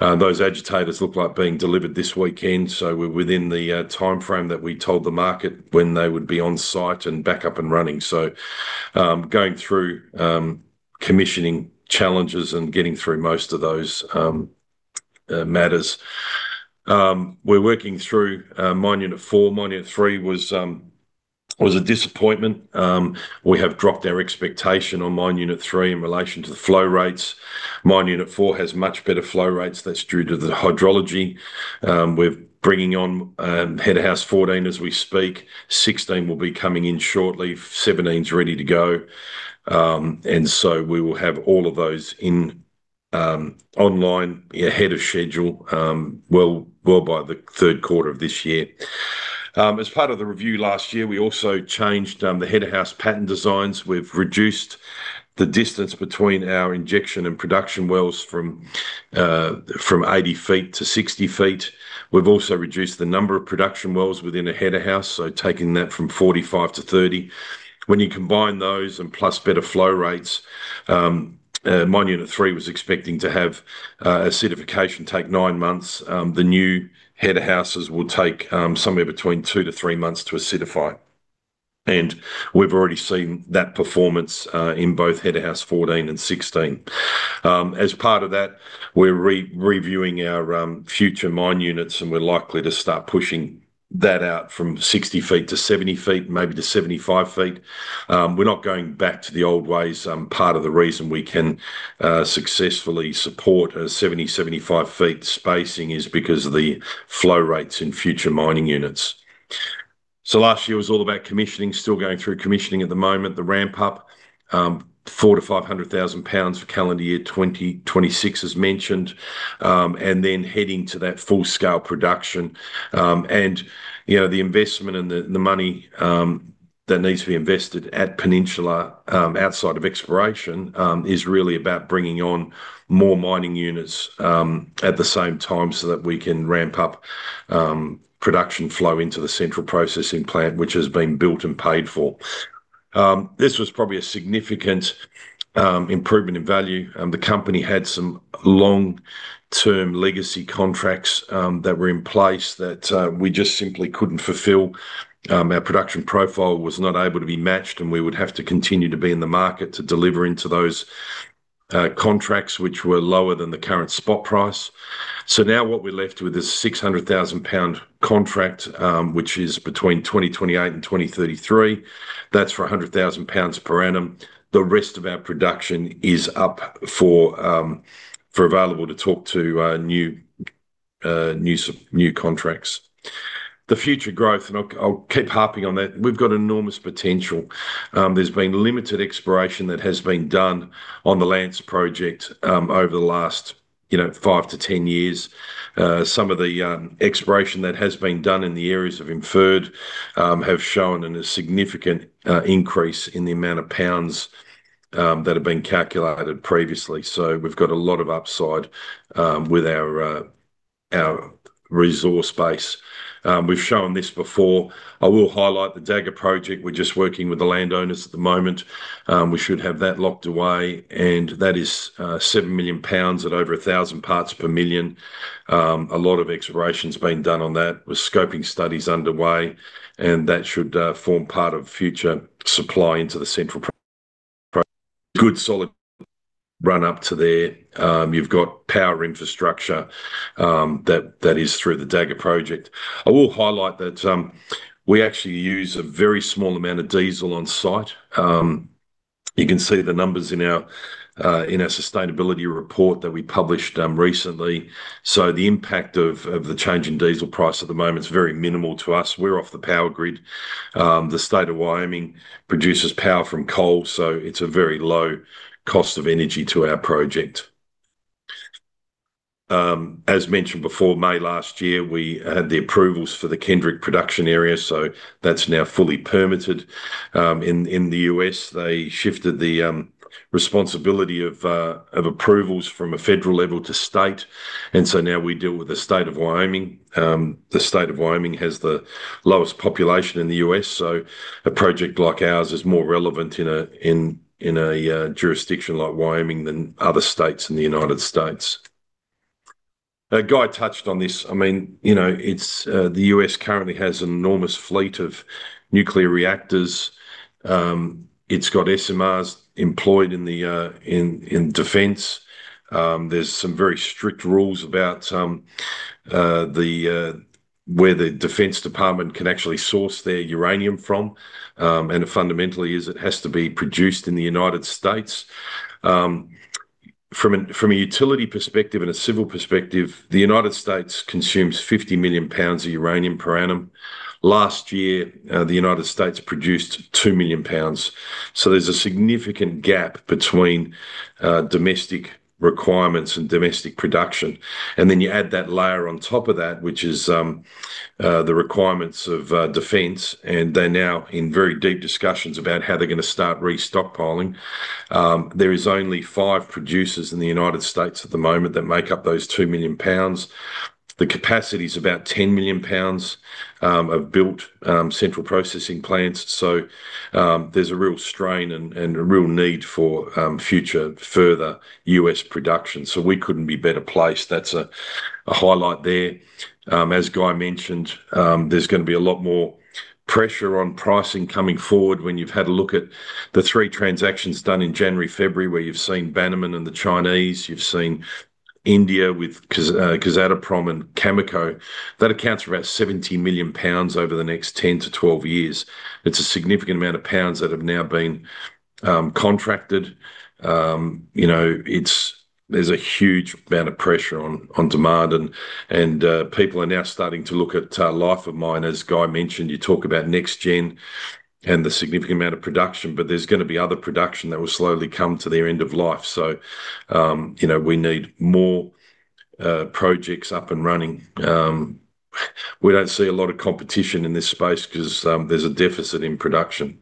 [SPEAKER 3] Those agitators look like being delivered this weekend, so we're within the timeframe that we told the market when they would be on-site and back up and running. Going through commissioning challenges and getting through most of those matters. We're working through Mine Unit 4. Mine Unit 3 was a disappointment. We have dropped our expectation on Mine Unit 3 in relation to the flow rates. Mine Unit 4 has much better flow rates. That's due to the hydrology. We're bringing on Header House 14 as we speak. 16 will be coming in shortly. 17's ready to go. We will have all of those in online ahead of schedule, well by the third quarter of this year. As part of the review last year, we also changed the header house pattern designs. We've reduced the distance between our injection and production wells from 80 ft-60 ft. We've also reduced the number of production wells within a header house, so taking that from 45-30. When you combine those and plus better flow rates, mine unit three was expecting to have acidification take nine months. The new header houses will take somewhere between 2-3 months to acidify. We've already seen that performance in both header house 14 and 16. As part of that, we're reviewing our future mine units, and we're likely to start pushing that out from 60 ft-70 ft, maybe to 75 ft. We're not going back to the old ways. Part of the reason we can successfully support a 70-75 ft spacing is because of the flow rates in future mining units. Last year was all about commissioning. Still going through commissioning at the moment. The ramp-up, 400,000-500,000 pounds for calendar year 2026 as mentioned, and then heading to that full-scale production. You know, the investment and the money that needs to be invested at Peninsula, outside of exploration, is really about bringing on more mine units at the same time, so that we can ramp up production flow into the central processing plant, which has been built and paid for. This was probably a significant improvement in value. The company had some long-term legacy contracts that were in place that we just simply couldn't fulfill. Our production profile was not able to be matched, and we would have to continue to be in the market to deliver into those contracts, which were lower than the current spot price. Now what we're left with is 600,000-pound contract, which is between 2028 and 2033. That's for 100,000 pounds per annum. The rest of our production is available for new contracts. The future growth. I'll keep harping on that. We've got enormous potential. There's been limited exploration that has been done on the Lance Project over the last, you know, 5-10 years. Some of the exploration that has been done in the areas of inferred have shown a significant increase in the amount of pounds that have been calculated previously. So we've got a lot of upside with our resource base. We've shown this before. I will highlight the Dagger Project. We're just working with the landowners at the moment. We should have that locked away, and that is 7 million pounds at over 1,000 parts per million. A lot of exploration's been done on that with scoping studies underway, and that should form part of future supply into the central. Good solid run up to there. You've got power infrastructure that is through the Lance Project. I will highlight that we actually use a very small amount of diesel on-site. You can see the numbers in our sustainability report that we published recently. The impact of the change in diesel price at the moment is very minimal to us. We're off the power grid. The State of Wyoming produces power from coal, so it's a very low cost of energy to our project. As mentioned before, May last year we had the approvals for the Kendrick production area, so that's now fully permitted. In the U.S. they shifted the responsibility of approvals from a federal level to state, and so now we deal with the State of Wyoming. The State of Wyoming has the lowest population in the U.S., so a project like ours is more relevant in a jurisdiction like Wyoming than other states in the United States. Guy touched on this. I mean, you know, it's the U.S. currently has an enormous fleet of nuclear reactors. It's got SMRs employed in the defense. There's some very strict rules about some. Where the Defense Department can actually source their uranium from, and it fundamentally is, it has to be produced in the United States. From a utility perspective and a civil perspective, the United States consumes 50 million pounds of uranium per annum. Last year, the United States produced 2 million pounds. There's a significant gap between domestic requirements and domestic production. Then you add that layer on top of that, which is the requirements of defense, and they're now in very deep discussions about how they're gonna start restocking. There is only 5 producers in the United States at the moment that make up those 2 million pounds. The capacity is about 10 million pounds of built central processing plants. There's a real strain and a real need for future further U.S. production. We couldn't be better placed. That's a highlight there. As Guy mentioned, there's gonna be a lot more pressure on pricing coming forward when you've had a look at the three transactions done in January, February, where you've seen Bannerman and the Chinese, you've seen India with Kazatomprom and Cameco. That accounts for about 70 million pounds over the next 10-12 years. It's a significant amount of pounds that have now been contracted. You know, there's a huge amount of pressure on demand and people are now starting to look at life of mine. As Guy mentioned, you talk about next gen and the significant amount of production, but there's gonna be other production that will slowly come to their end of life. You know, we need more projects up and running. We don't see a lot of competition in this space 'cause there's a deficit in production.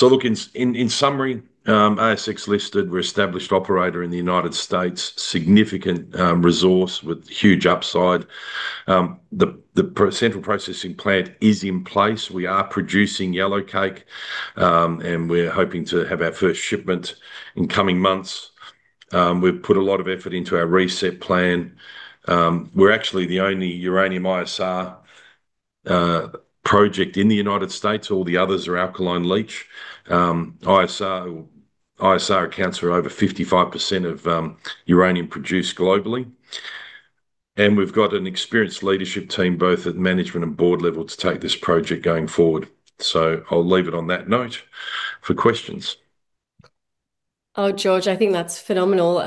[SPEAKER 3] Look, in summary, ASX listed, we're established operator in the United States, significant resource with huge upside. The central processing plant is in place. We are producing yellowcake, and we're hoping to have our first shipment in coming months. We've put a lot of effort into our reset plan. We're actually the only uranium ISR project in the United States. All the others are alkaline leach. ISR accounts for over 55% of uranium produced globally. We've got an experienced leadership team both at management and board level to take this project going forward. I'll leave it on that note for questions.
[SPEAKER 2] Oh, George, I think that's phenomenal.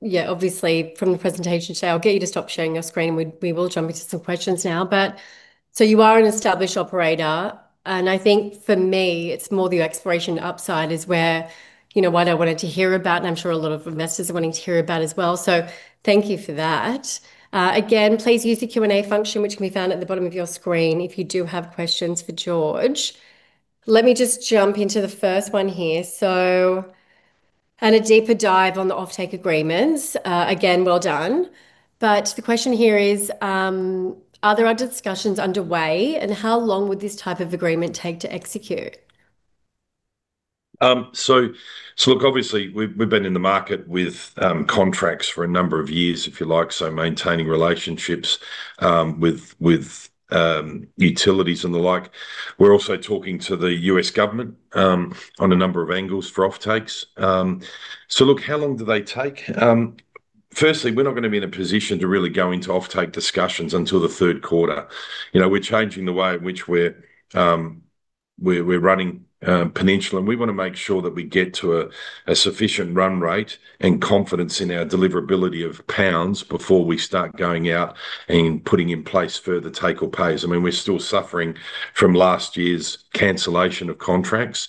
[SPEAKER 2] Yeah, obviously from the presentation today, I'll get you to stop sharing your screen and we will jump into some questions now, but you are an established operator, and I think for me it's more the exploration upside is where, you know, what I wanted to hear about, and I'm sure a lot of investors are wanting to hear about as well. Thank you for that. Again, please use the Q&A function, which can be found at the bottom of your screen if you do have questions for George. Let me just jump into the first one here. A deeper dive on the offtake agreements. Again, well done. The question here is, are there other discussions underway, and how long would this type of agreement take to execute?
[SPEAKER 3] Look, obviously we've been in the market with contracts for a number of years, if you like, so maintaining relationships with utilities and the like. We're also talking to the U.S. government on a number of angles for offtakes. Look, how long do they take? Firstly, we're not gonna be in a position to really go into offtake discussions until the third quarter. You know, we're changing the way in which we're running Peninsula, and we wanna make sure that we get to a sufficient run rate and confidence in our deliverability of pounds before we start going out and putting in place further take or pays. I mean, we're still suffering from last year's cancellation of contracts.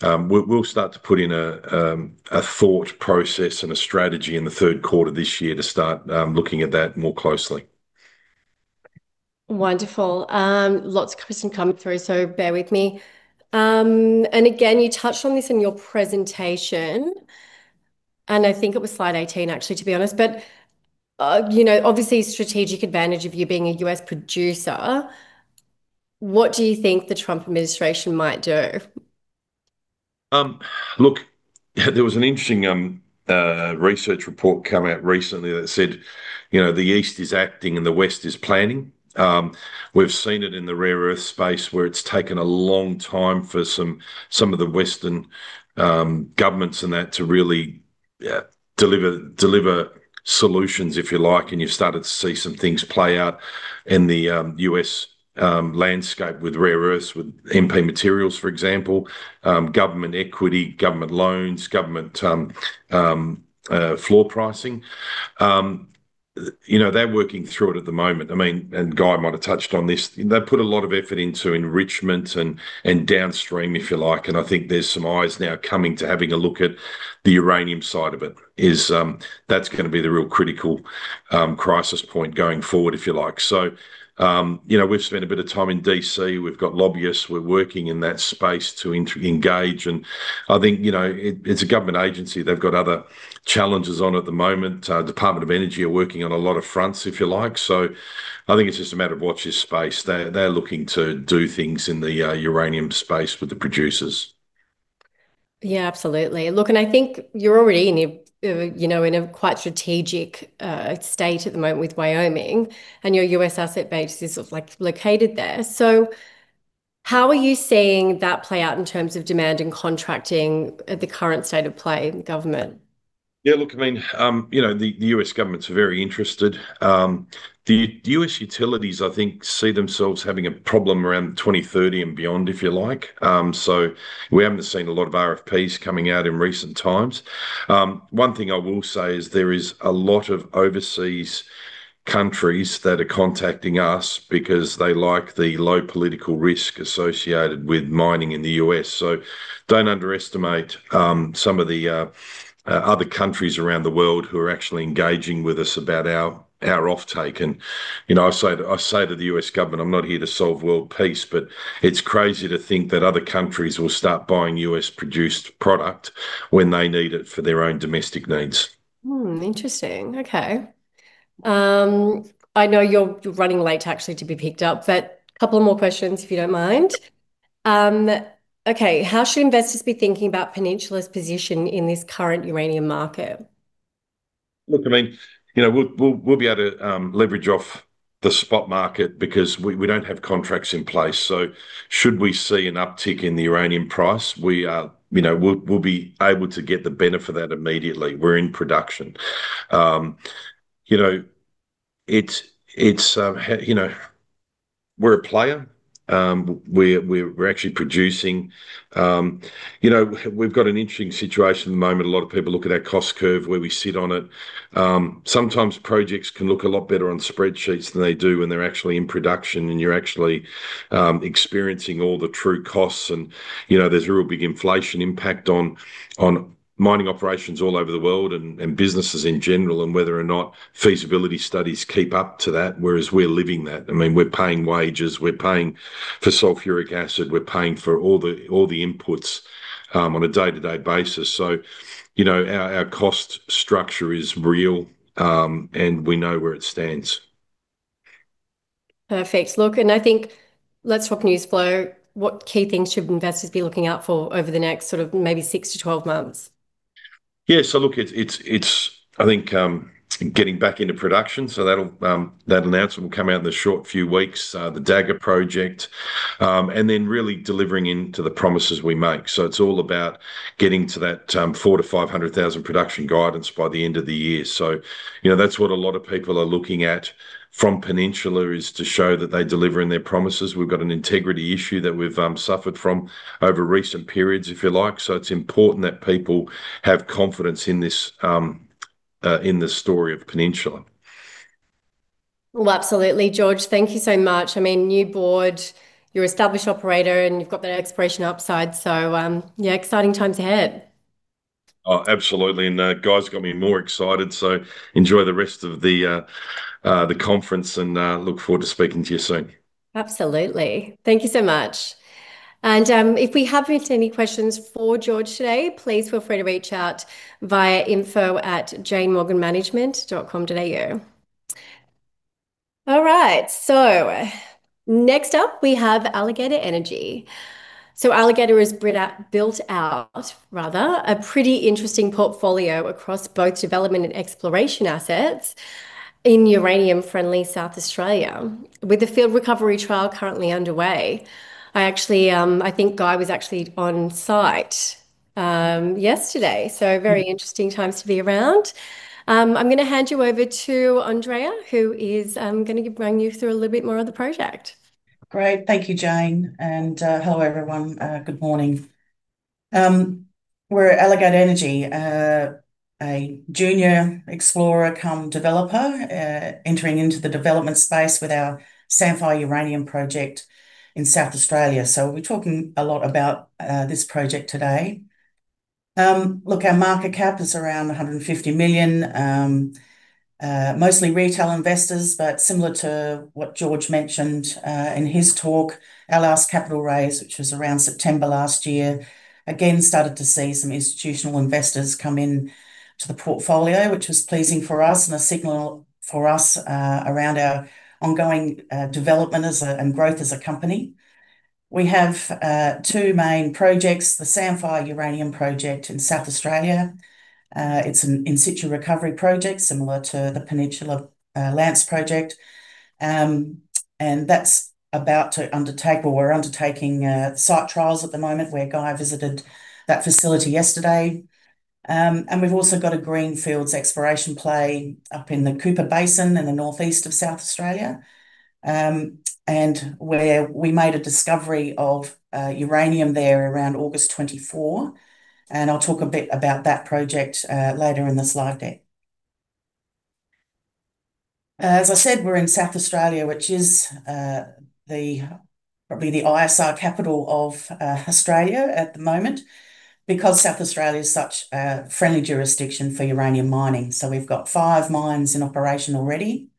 [SPEAKER 3] We'll start to put in a thought process and a strategy in the third quarter this year to start looking at that more closely.
[SPEAKER 2] Wonderful. Lots of questions coming through, so bear with me. Again, you touched on this in your presentation, and I think it was slide 18 actually, to be honest. You know, obviously strategic advantage of you being a U.S. producer, what do you think the Trump administration might do?
[SPEAKER 3] Look, there was an interesting research report come out recently that said, you know, the East is acting and the West is planning. We've seen it in the rare earth space where it's taken a long time for some of the Western governments and that to really deliver solutions, if you like, and you're starting to see some things play out in the U.S. landscape with rare earths, with MP Materials, for example. Government equity, government loans, government floor pricing. You know, they're working through it at the moment. I mean, Guy might have touched on this. They put a lot of effort into enrichment and downstream, if you like, and I think there's some eyes now coming to having a look at the uranium side of it is, that's gonna be the real critical crisis point going forward, if you like. You know, we've spent a bit of time in D.C. We've got lobbyists. We're working in that space to engage, and I think, you know, it's a government agency. They've got other challenges on at the moment. Department of Energy are working on a lot of fronts, if you like. I think it's just a matter of watch this space. They're looking to do things in the uranium space with the producers.
[SPEAKER 2] Yeah, absolutely. Look, I think you're already in a, you know, in a quite strategic state at the moment with Wyoming, and your U.S. asset base is, like, located there. How are you seeing that play out in terms of demand and contracting at the current state of play in government?
[SPEAKER 3] Yeah, look, I mean, you know, the U.S. government's very interested. The U.S. utilities, I think, see themselves having a problem around 2030 and beyond, if you like. So we haven't seen a lot of RFPs coming out in recent times. One thing I will say is there is a lot of overseas countries that are contacting us because they like the low political risk associated with mining in the U.S. So don't underestimate some of the other countries around the world who are actually engaging with us about our offtake. And, you know, I say to the U.S. government, "I'm not here to solve world peace," but it's crazy to think that other countries will start buying U.S.-produced product when they need it for their own domestic needs.
[SPEAKER 2] Interesting. Okay. I know you're running late actually to be picked up, but couple more questions if you don't mind. Okay. How should investors be thinking about Peninsula's position in this current uranium market?
[SPEAKER 3] Look, I mean, you know, we'll be able to leverage off the spot market because we don't have contracts in place, so should we see an uptick in the uranium price, we'll be able to get the benefit of that immediately. We're in production. You know, it's you know, we're a player. We're actually producing. You know, we've got an interesting situation at the moment. A lot of people look at our cost curve, where we sit on it. Sometimes projects can look a lot better on spreadsheets than they do when they're actually in production and you're actually experiencing all the true costs and, you know, there's a real big inflation impact on mining operations all over the world and businesses in general and whether or not feasibility studies keep up to that, whereas we're living that. I mean, we're paying wages. We're paying for sulfuric acid. We're paying for all the inputs on a day-to-day basis. You know, our cost structure is real and we know where it stands.
[SPEAKER 2] Perfect. Look, I think, let's talk news flow. What key things should investors be looking out for over the next sort of maybe 6-12 months?
[SPEAKER 3] Yeah. Look, it's getting back into production. That announcement will come out in the short few weeks, the Dagger project, and then really delivering into the promises we make. It's all about getting to that 400,000-500,000 production guidance by the end of the year. You know, that's what a lot of people are looking at from Peninsula is to show that they're delivering their promises. We've got an integrity issue that we've suffered from over recent periods, if you like. It's important that people have confidence in this, in the story of Peninsula.
[SPEAKER 2] Well, absolutely, George. Thank you so much. I mean, new board, you're established operator, and you've got that exploration upside so, yeah, exciting times ahead.
[SPEAKER 3] Oh, absolutely. Guy's got me more excited, so enjoy the rest of the conference and look forward to speaking to you soon.
[SPEAKER 2] Absolutely. Thank you so much. If we haven't answered any questions for George today, please feel free to reach out via info@janemorganmanagement.com.au. All right, next up we have Alligator Energy. Alligator has built out, rather, a pretty interesting portfolio across both development and exploration assets in uranium-friendly South Australia. With the Field Recovery Trial currently underway, I actually think Guy was actually on site yesterday, so very interesting times to be around. I'm gonna hand you over to Andrea, who is gonna bring you through a little bit more of the project.
[SPEAKER 4] Great. Thank you, Jane. Hello, everyone. Good morning. We're Alligator Energy, a junior explorer cum developer, entering into the development space with our Samphire Uranium Project in South Australia. We'll be talking a lot about this project today. Look, our market cap is around 150 million, mostly retail investors, but similar to what George mentioned in his talk, our last capital raise, which was around September last year, again started to see some institutional investors come in to the portfolio, which was pleasing for us and a signal for us around our ongoing development as a, and growth as a company. We have two main projects, the Samphire Uranium Project in South Australia. It's an in situ recovery project similar to the Peninsula Lance project. That's about to undertake, or we're undertaking, site trials at the moment, where Guy visited that facility yesterday. We've also got a greenfields exploration play up in the Cooper Basin in the northeast of South Australia. Where we made a discovery of uranium there around August 2024. I'll talk a bit about that project later in the slide deck. As I said, we're in South Australia, which is, probably the ISR capital of, Australia at the moment, because South Australia's such a friendly jurisdiction for uranium mining. We've got five mines in operation already.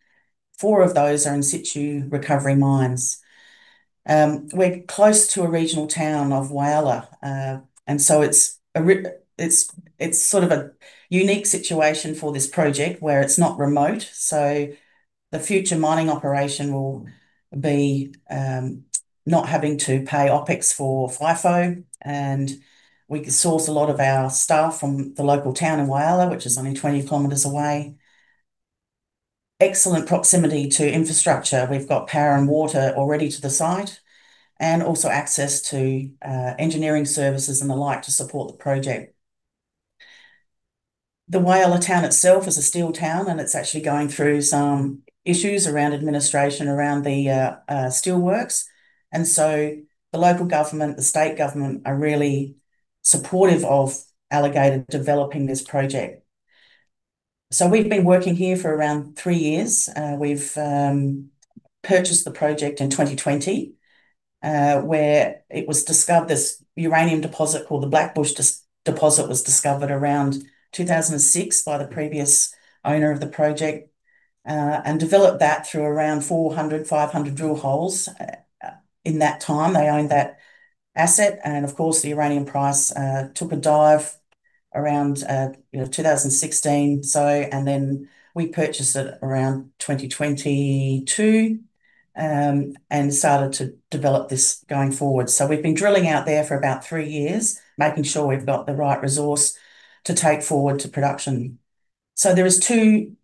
[SPEAKER 4] Four of those are in situ recovery mines. We're close to a regional town of Whyalla, and it's sort of a unique situation for this project, where it's not remote, so the future mining operation will be not having to pay OPEX for FIFO, and we can source a lot of our staff from the local town in Whyalla, which is only 20 kilometers away. Excellent proximity to infrastructure. We've got power and water already to the site, and also access to engineering services and the like to support the project. The Whyalla town itself is a steel town, and it's actually going through some issues around administration around the steelworks. The local government, the state government, are really supportive of Alligator developing this project. We've been working here for around three years. We've purchased the project in 2020, where it was discovered. This uranium deposit called the Blackbush deposit was discovered around 2006 by the previous owner of the project, and developed that through around 400-500 drill holes. In that time they owned that asset and of course the uranium price took a dive around, you know, 2016. We purchased it around 2022 and started to develop this going forward. We've been drilling out there for about three years, making sure we've got the right resource to take forward to production. There is two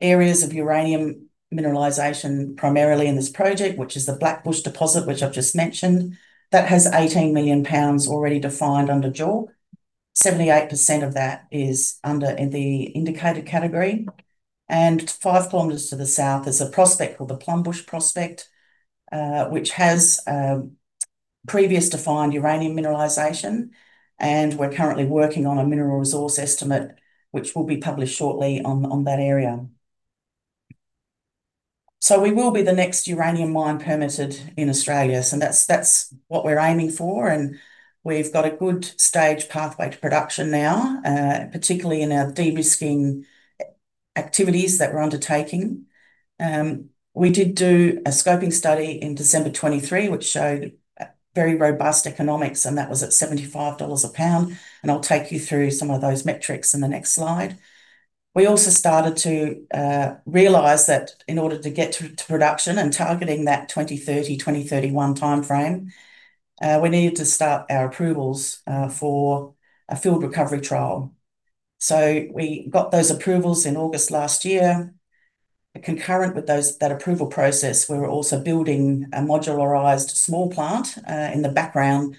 [SPEAKER 4] areas of uranium mineralization primarily in this project, which is the Blackbush deposit, which I've just mentioned. That has 18 million pounds already defined under JORC. 78% of that is under, in the indicated category. Five kilometers to the south is a prospect called the Plumbush prospect, which has previously defined uranium mineralization and we're currently working on a mineral resource estimate, which will be published shortly on that area. We will be the next uranium mine permitted in Australia, that's what we're aiming for, and we've got a good stage pathway to production now, particularly in our de-risking activities that we're undertaking. We did do a scoping study in December 2023, which showed very robust economics, and that was at $75 a pound, and I'll take you through some of those metrics in the next slide. We also started to realize that in order to get to production and targeting that 2030, 2031 timeframe, we needed to start our approvals for a field recovery trial. We got those approvals in August last year. Concurrent with those, that approval process we were also building a modularized small plant in the background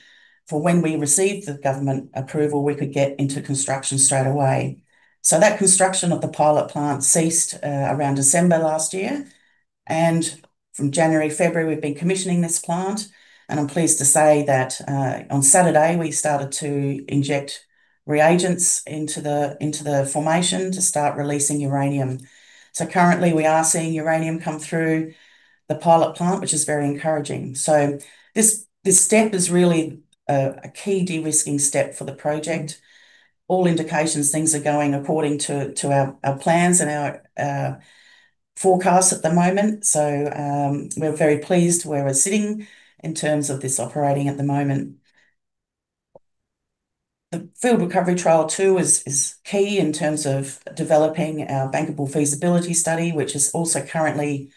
[SPEAKER 4] for when we received the government approval, we could get into construction straight away. That construction of the pilot plant ceased around December last year, and from January, February, we've been commissioning this plant, and I'm pleased to say that on Saturday we started to inject reagents into the formation to start releasing uranium. Currently we are seeing uranium come through the pilot plant, which is very encouraging. This step is really a key de-risking step for the project. All indications things are going according to our plans and our forecasts at the moment. We're very pleased where we're sitting in terms of this operating at the moment. The Field Recovery Trial too is key in terms of developing our bankable feasibility study, which is also currently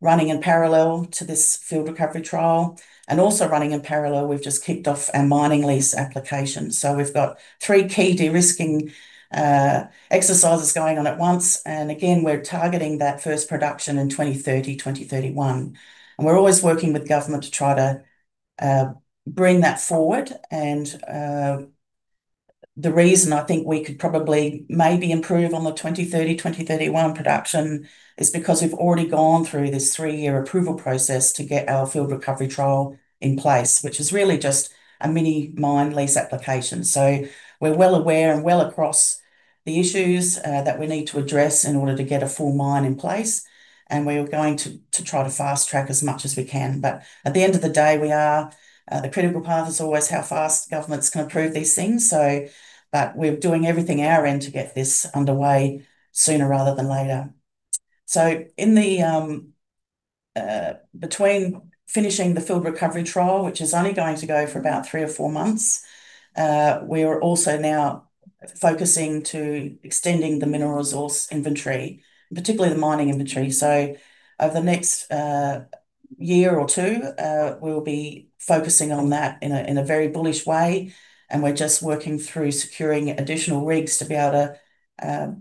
[SPEAKER 4] running in parallel to this Field Recovery Trial. Also running in parallel, we've just kicked off our mining lease application. We've got three key de-risking exercises going on at once, and we're targeting that first production in 2030-2031. We're always working with government to try to bring that forward, and the reason I think we could probably maybe improve on the 2030-2031 production is because we've already gone through this three-year approval process to get our Field Recovery Trial in place, which is really just a mini mine lease application. We're well aware and well across the issues that we need to address in order to get a full mine in place, and we're going to try to fast-track as much as we can. At the end of the day, the critical path is always how fast governments can approve these things, but we're doing everything at our end to get this underway sooner rather than later. Between finishing the Field Recovery Trial, which is only going to go for about three or four months, we're also now focusing on extending the mineral resource inventory, and particularly the mining inventory. Over the next year or two, we'll be focusing on that in a very bullish way and we're just working through securing additional rigs to be able to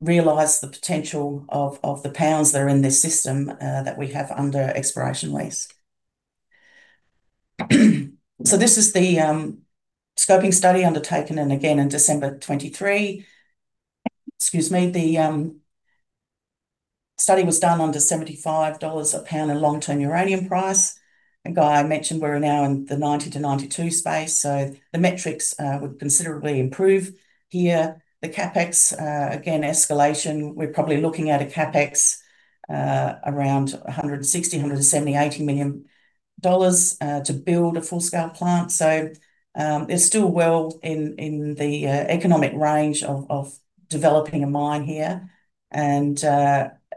[SPEAKER 4] realize the potential of the pounds that are in this system that we have under exploration lease. This is the scoping study undertaken and again in December 2023. Excuse me. The study was done under $75 a pound in long-term uranium price. Like I mentioned, we're now in the 90-92 space, so the metrics would considerably improve here. The CapEx, again, escalation, we're probably looking at a CapEx around $160-$180 million to build a full-scale plant. It's still well in the economic range of developing a mine here.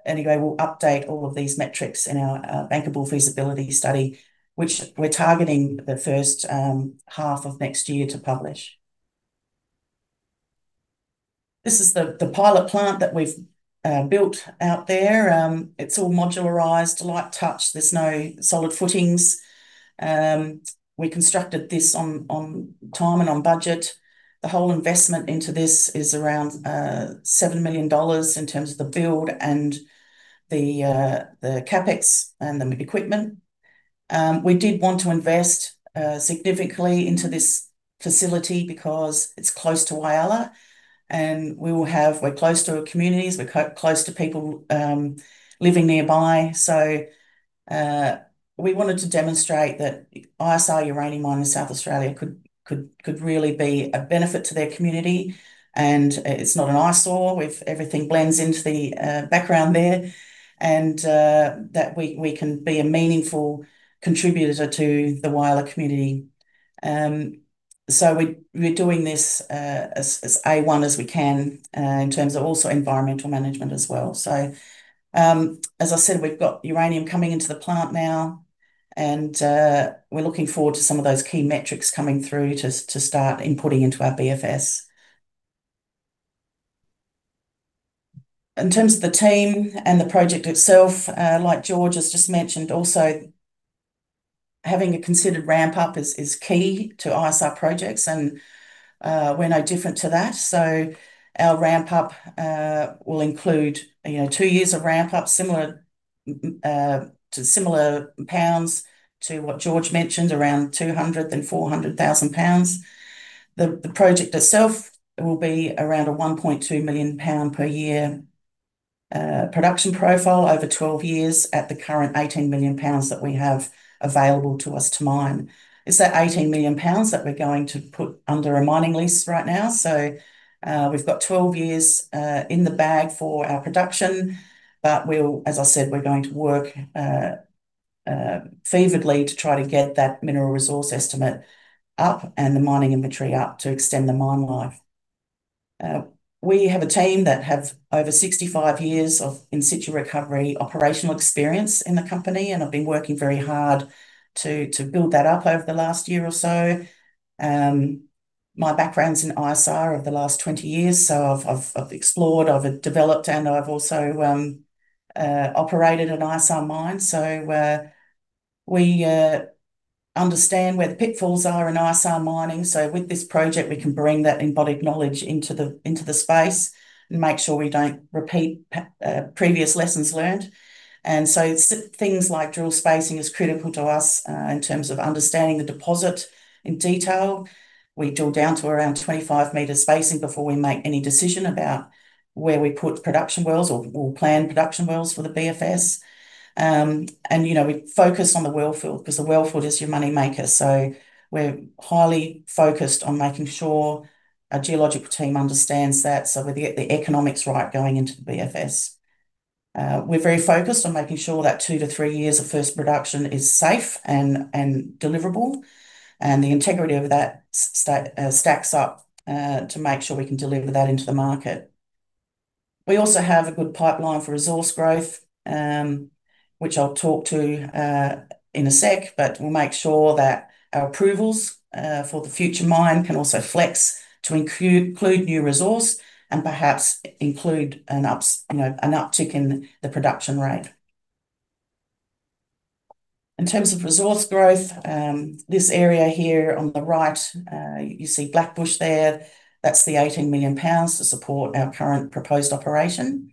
[SPEAKER 4] Anyway, we'll update all of these metrics in our bankable feasibility study, which we're targeting the first half of next year to publish. This is the pilot plant that we've built out there. It's all modularized, light touch. There's no solid footings. We constructed this on time and on budget. The whole investment into this is around 7 million dollars in terms of the build and the CapEx and the equipment. We did want to invest significantly into this facility because it's close to Whyalla, and we're close to communities, we're close to people living nearby. We wanted to demonstrate that ISR uranium mine in South Australia could really be a benefit to their community and it's not an eyesore with everything blending into the background there, and that we can be a meaningful contributor to the Whyalla community. We're doing this as A-one as we can in terms of also environmental management as well. As I said, we've got uranium coming into the plant now and we're looking forward to some of those key metrics coming through to start inputting into our BFS. In terms of the team and the project itself, like George has just mentioned, also having a considered ramp up is key to ISR projects and we're no different to that. Our ramp up will include, you know, two years of ramp up similar to what George mentioned, around 200 then 400,000 pounds. The project itself will be around a 1.2 million pounds per year production profile over 12 years at the current 18 million pounds that we have available to us to mine. It's that 18 million pounds that we're going to put under a mining lease right now. We've got 12 years in the bag for our production, but as I said, we're going to work feverishly to try to get that mineral resource estimate up and the mining inventory up to extend the mine life. We have a team that have over 65 years of in situ recovery operational experience in the company, and I've been working very hard to build that up over the last year or so. My background's in ISR over the last 20 years. I've explored, I've developed, and I've also operated an ISR mine. We understand where the pitfalls are in ISR mining. With this project, we can bring that embodied knowledge into the space and make sure we don't repeat previous lessons learned. Things like drill spacing is critical to us in terms of understanding the deposit in detail. We drill down to around 25 m spacing before we make any decision about where we put production wells or plan production wells for the BFS. You know, we focus on the wellfield 'cause the wellfield is your money maker. We're highly focused on making sure our geological team understands that so we get the economics right going into the BFS. We're very focused on making sure that 2-3 years of first production is safe and deliverable, and the integrity of that stacks up to make sure we can deliver that into the market. We also have a good pipeline for resource growth, which I'll talk to in a sec, but we'll make sure that our approvals for the future mine can also flex to include new resource and perhaps include an uptick in the production rate. In terms of resource growth, this area here on the right, you see Blackbush there. That's the 18 million pounds to support our current proposed operation.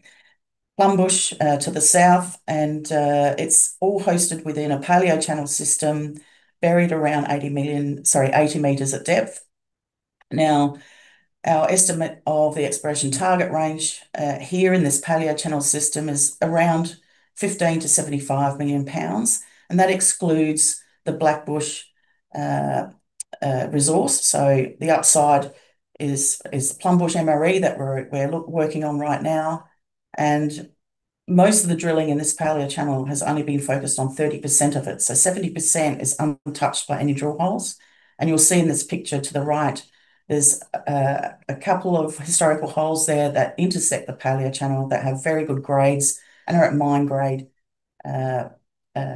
[SPEAKER 4] Plumbush to the south, and it's all hosted within a paleochannel system buried around 80 m at depth. Now, our estimate of the exploration target range here in this paleochannel system is around 15-75 million pounds, and that excludes the Blackbush resource. The upside is Plumbush MRE that we're working on right now. Most of the drilling in this paleochannel has only been focused on 30% of it, so 70% is untouched by any drill holes. You'll see in this picture to the right, there's a couple of historical holes there that intersect the paleochannel that have very good grades and are at mine grade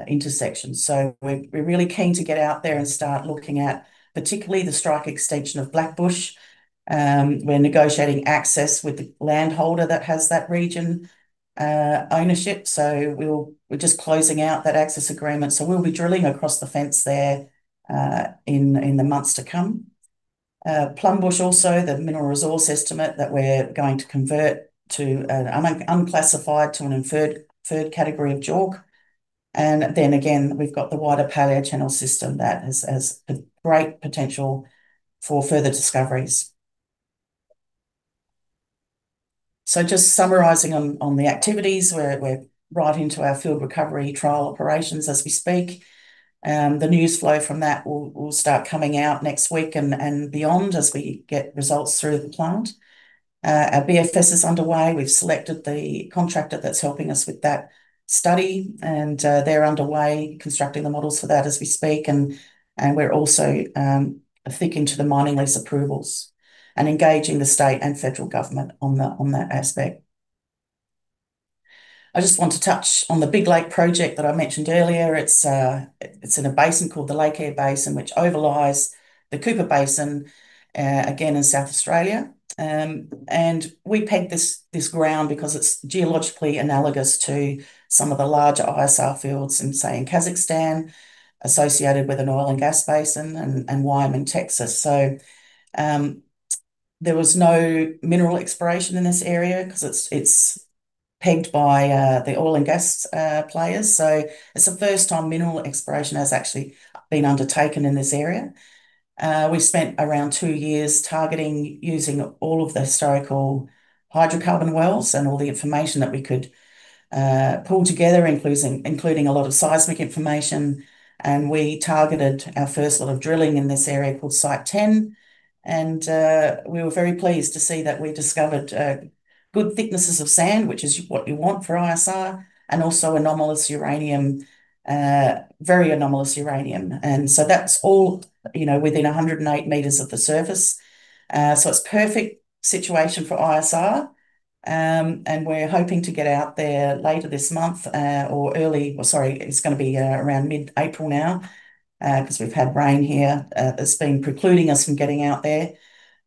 [SPEAKER 4] intersections. We're really keen to get out there and start looking at particularly the strike extension of Blackbush. We're negotiating access with the land holder that has that region ownership. We're just closing out that access agreement. We'll be drilling across the fence there in the months to come. Plumbush also, the mineral resource estimate that we're going to convert from unclassified to an inferred category of JORC. Again, we've got the wider paleochannel system that has a great potential for further discoveries. Just summarizing on the activities, we're right into our Field Recovery Trial operations as we speak. The news flow from that will start coming out next week and beyond as we get results through the plant. Our BFS is underway. We've selected the contractor that's helping us with that study and they're underway constructing the models for that as we speak. We're also, I think, into the mining lease approvals and engaging the state and federal government on that aspect. I just want to touch on the Big Lake project that I mentioned earlier. It's in a basin called the Lake Eyre Basin, which overlies the Cooper Basin, again, in South Australia. We pegged this ground because it's geologically analogous to some of the larger ISR fields in, say, Kazakhstan associated with an oil and gas basin in Wyoming, Texas. There was no mineral exploration in this area because it's pegged by the oil and gas players. It's the first time mineral exploration has actually been undertaken in this area. We've spent around two years targeting using all of the historical hydrocarbon wells and all the information that we could pull together, including a lot of seismic information. We targeted our first lot of drilling in this area called Site 10. We were very pleased to see that we discovered good thicknesses of sand, which is what you want for ISR, and also anomalous uranium, very anomalous uranium. That's all, you know, within 108 m of the surface. It's perfect situation for ISR, and we're hoping to get out there later this month. Sorry, it's gonna be around mid-April now, because we've had rain here that's been precluding us from getting out there.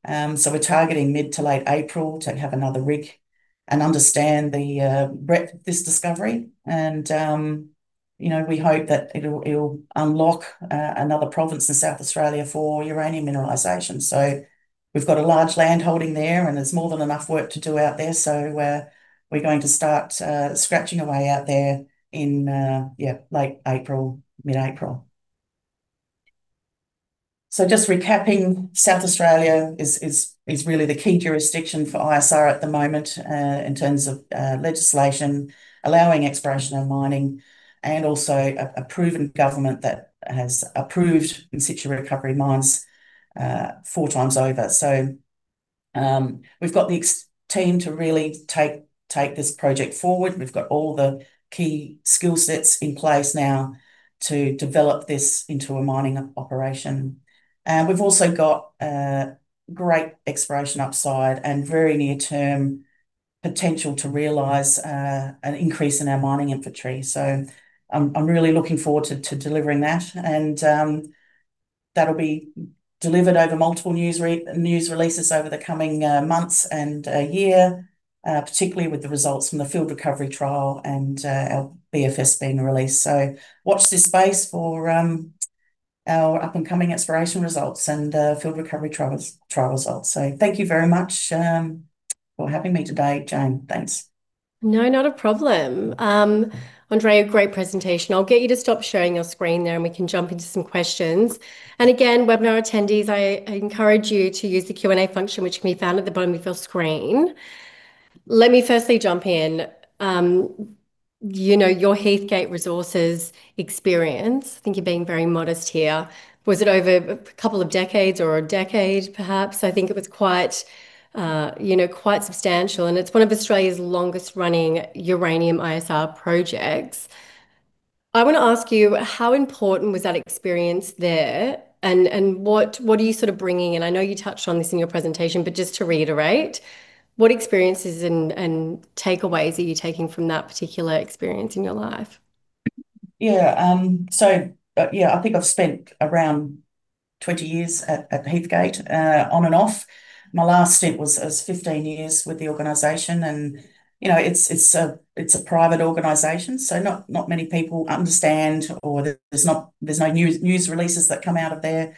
[SPEAKER 4] We're targeting mid to late April to have another rig and understand the breadth of this discovery. You know, we hope that it'll unlock another province in South Australia for uranium mineralization. We've got a large land holding there, and there's more than enough work to do out there. We're going to start scratching away out there in late April, mid-April. Just recapping, South Australia is really the key jurisdiction for ISR at the moment in terms of legislation allowing exploration and mining, and also a proven government that has approved in situ recovery mines four times over. We've got the expert team to really take this project forward. We've got all the key skillsets in place now to develop this into a mining operation. We've also got a great exploration upside and very near-term potential to realize an increase in our mining inventory. I'm really looking forward to delivering that. That'll be delivered over multiple news releases over the coming months and year, particularly with the results from the Field Recovery Trial and our BFS being released. Watch this space for our up-and-coming exploration results and field recovery trial results. Thank you very much for having me today, Jane. Thanks.
[SPEAKER 2] No, not a problem. Andrea, great presentation. I'll get you to stop sharing your screen now, and we can jump into some questions. Again, webinar attendees, I encourage you to use the Q&A function, which can be found at the bottom of your screen. Let me firstly jump in. You know, your Heathgate Resources experience, I think you're being very modest here. Was it over a couple of decades or a decade perhaps? I think it was quite, you know, quite substantial, and it's one of Australia's longest-running uranium ISR projects. I want to ask you, how important was that experience there? And what are you sort of bringing? And I know you touched on this in your presentation, but just to reiterate, what experiences and takeaways are you taking from that particular experience in your life?
[SPEAKER 4] I think I've spent around 20 years at Heathgate on and off. My last stint was 15 years with the organization and, you know, it's a private organization, so not many people understand or there's no news releases that come out of there.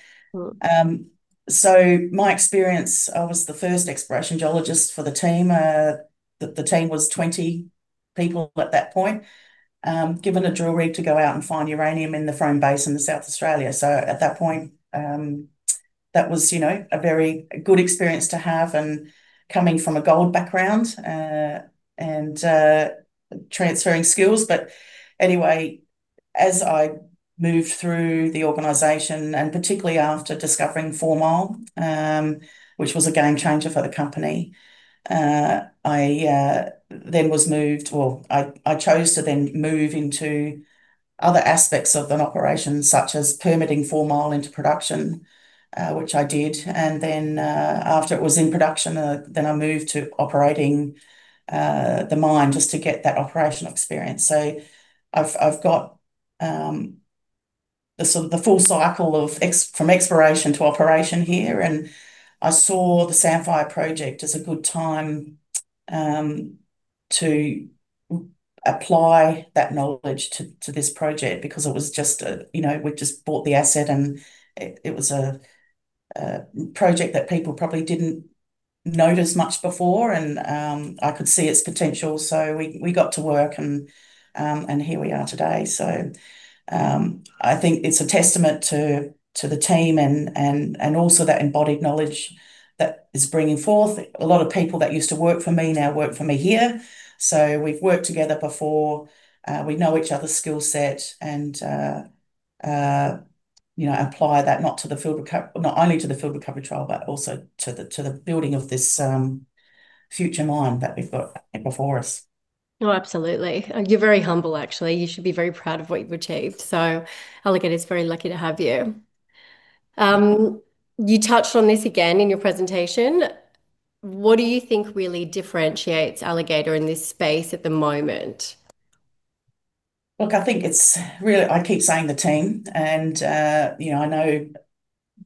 [SPEAKER 2] Mm.
[SPEAKER 4] My experience, I was the first exploration geologist for the team. The team was 20 people at that point, given a drill rig to go out and find uranium in the Frome Basin in South Australia. At that point, that was, you know, a very good experience to have and coming from a gold background, and transferring skills. As I moved through the organization, and particularly after discovering Four Mile, which was a game changer for the company, I chose to move into other aspects of an operation such as permitting Four Mile into production, which I did. After it was in production, I moved to operating the mine just to get that operational experience. I've got the sort of full cycle of experience from exploration to operation here, and I saw the Sandfire project as a good time to apply that knowledge to this project because it was just a, you know, we'd just bought the asset and it was a project that people probably didn't notice much before and I could see its potential. We got to work and here we are today. I think it's a testament to the team and also that embodied knowledge that is bringing forth. A lot of people that used to work for me now work for me here. We've worked together before, we know each other's skill set and, you know, apply that not only to the Field Recovery Trial but also to the building of this future mine that we've got before us.
[SPEAKER 2] Oh, absolutely. You're very humble, actually. You should be very proud of what you've achieved. Alligator's very lucky to have you. You touched on this again in your presentation, what do you think really differentiates Alligator in this space at the moment?
[SPEAKER 4] Look, I think it's really, I keep saying the team and, you know, I know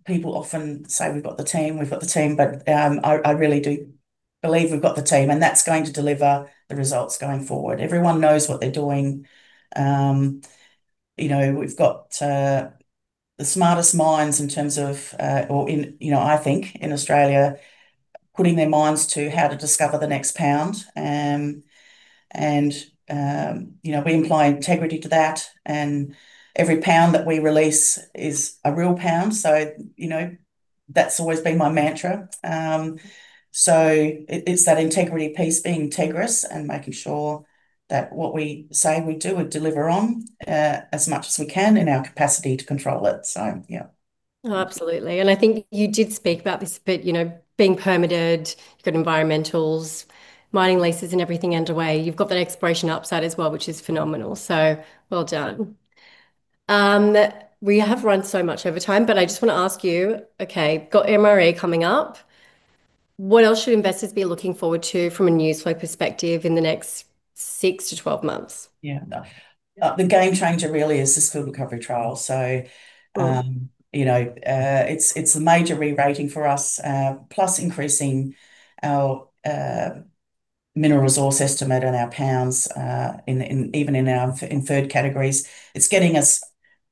[SPEAKER 4] people often say, "We've got the team, we've got the team," but, I really do believe we've got the team, and that's going to deliver the results going forward. Everyone knows what they're doing. You know, we've got the smartest minds in terms of, you know, I think in Australia, putting their minds to how to discover the next pound. And, you know, we apply integrity to that, and every pound that we release is a real pound. So, you know, that's always been my mantra. So it's that integrity piece, being integrous and making sure that what we say we do, we deliver on, as much as we can in our capacity to control it. So, yeah.
[SPEAKER 2] Oh, absolutely. I think you did speak about this a bit, you know, being permitted, good environmentals, mining leases and everything underway. You've got that exploration upside as well, which is phenomenal. Well done. We have run so much over time, but I just want to ask you, okay, got MRE coming up. What else should investors be looking forward to from a news flow perspective in the next six to 12 months?
[SPEAKER 4] The game changer really is this Field Recovery Trial.
[SPEAKER 2] Mm
[SPEAKER 4] You know, it's a major rerating for us, plus increasing our mineral resource estimate on our pounds in even our inferred categories. It's getting us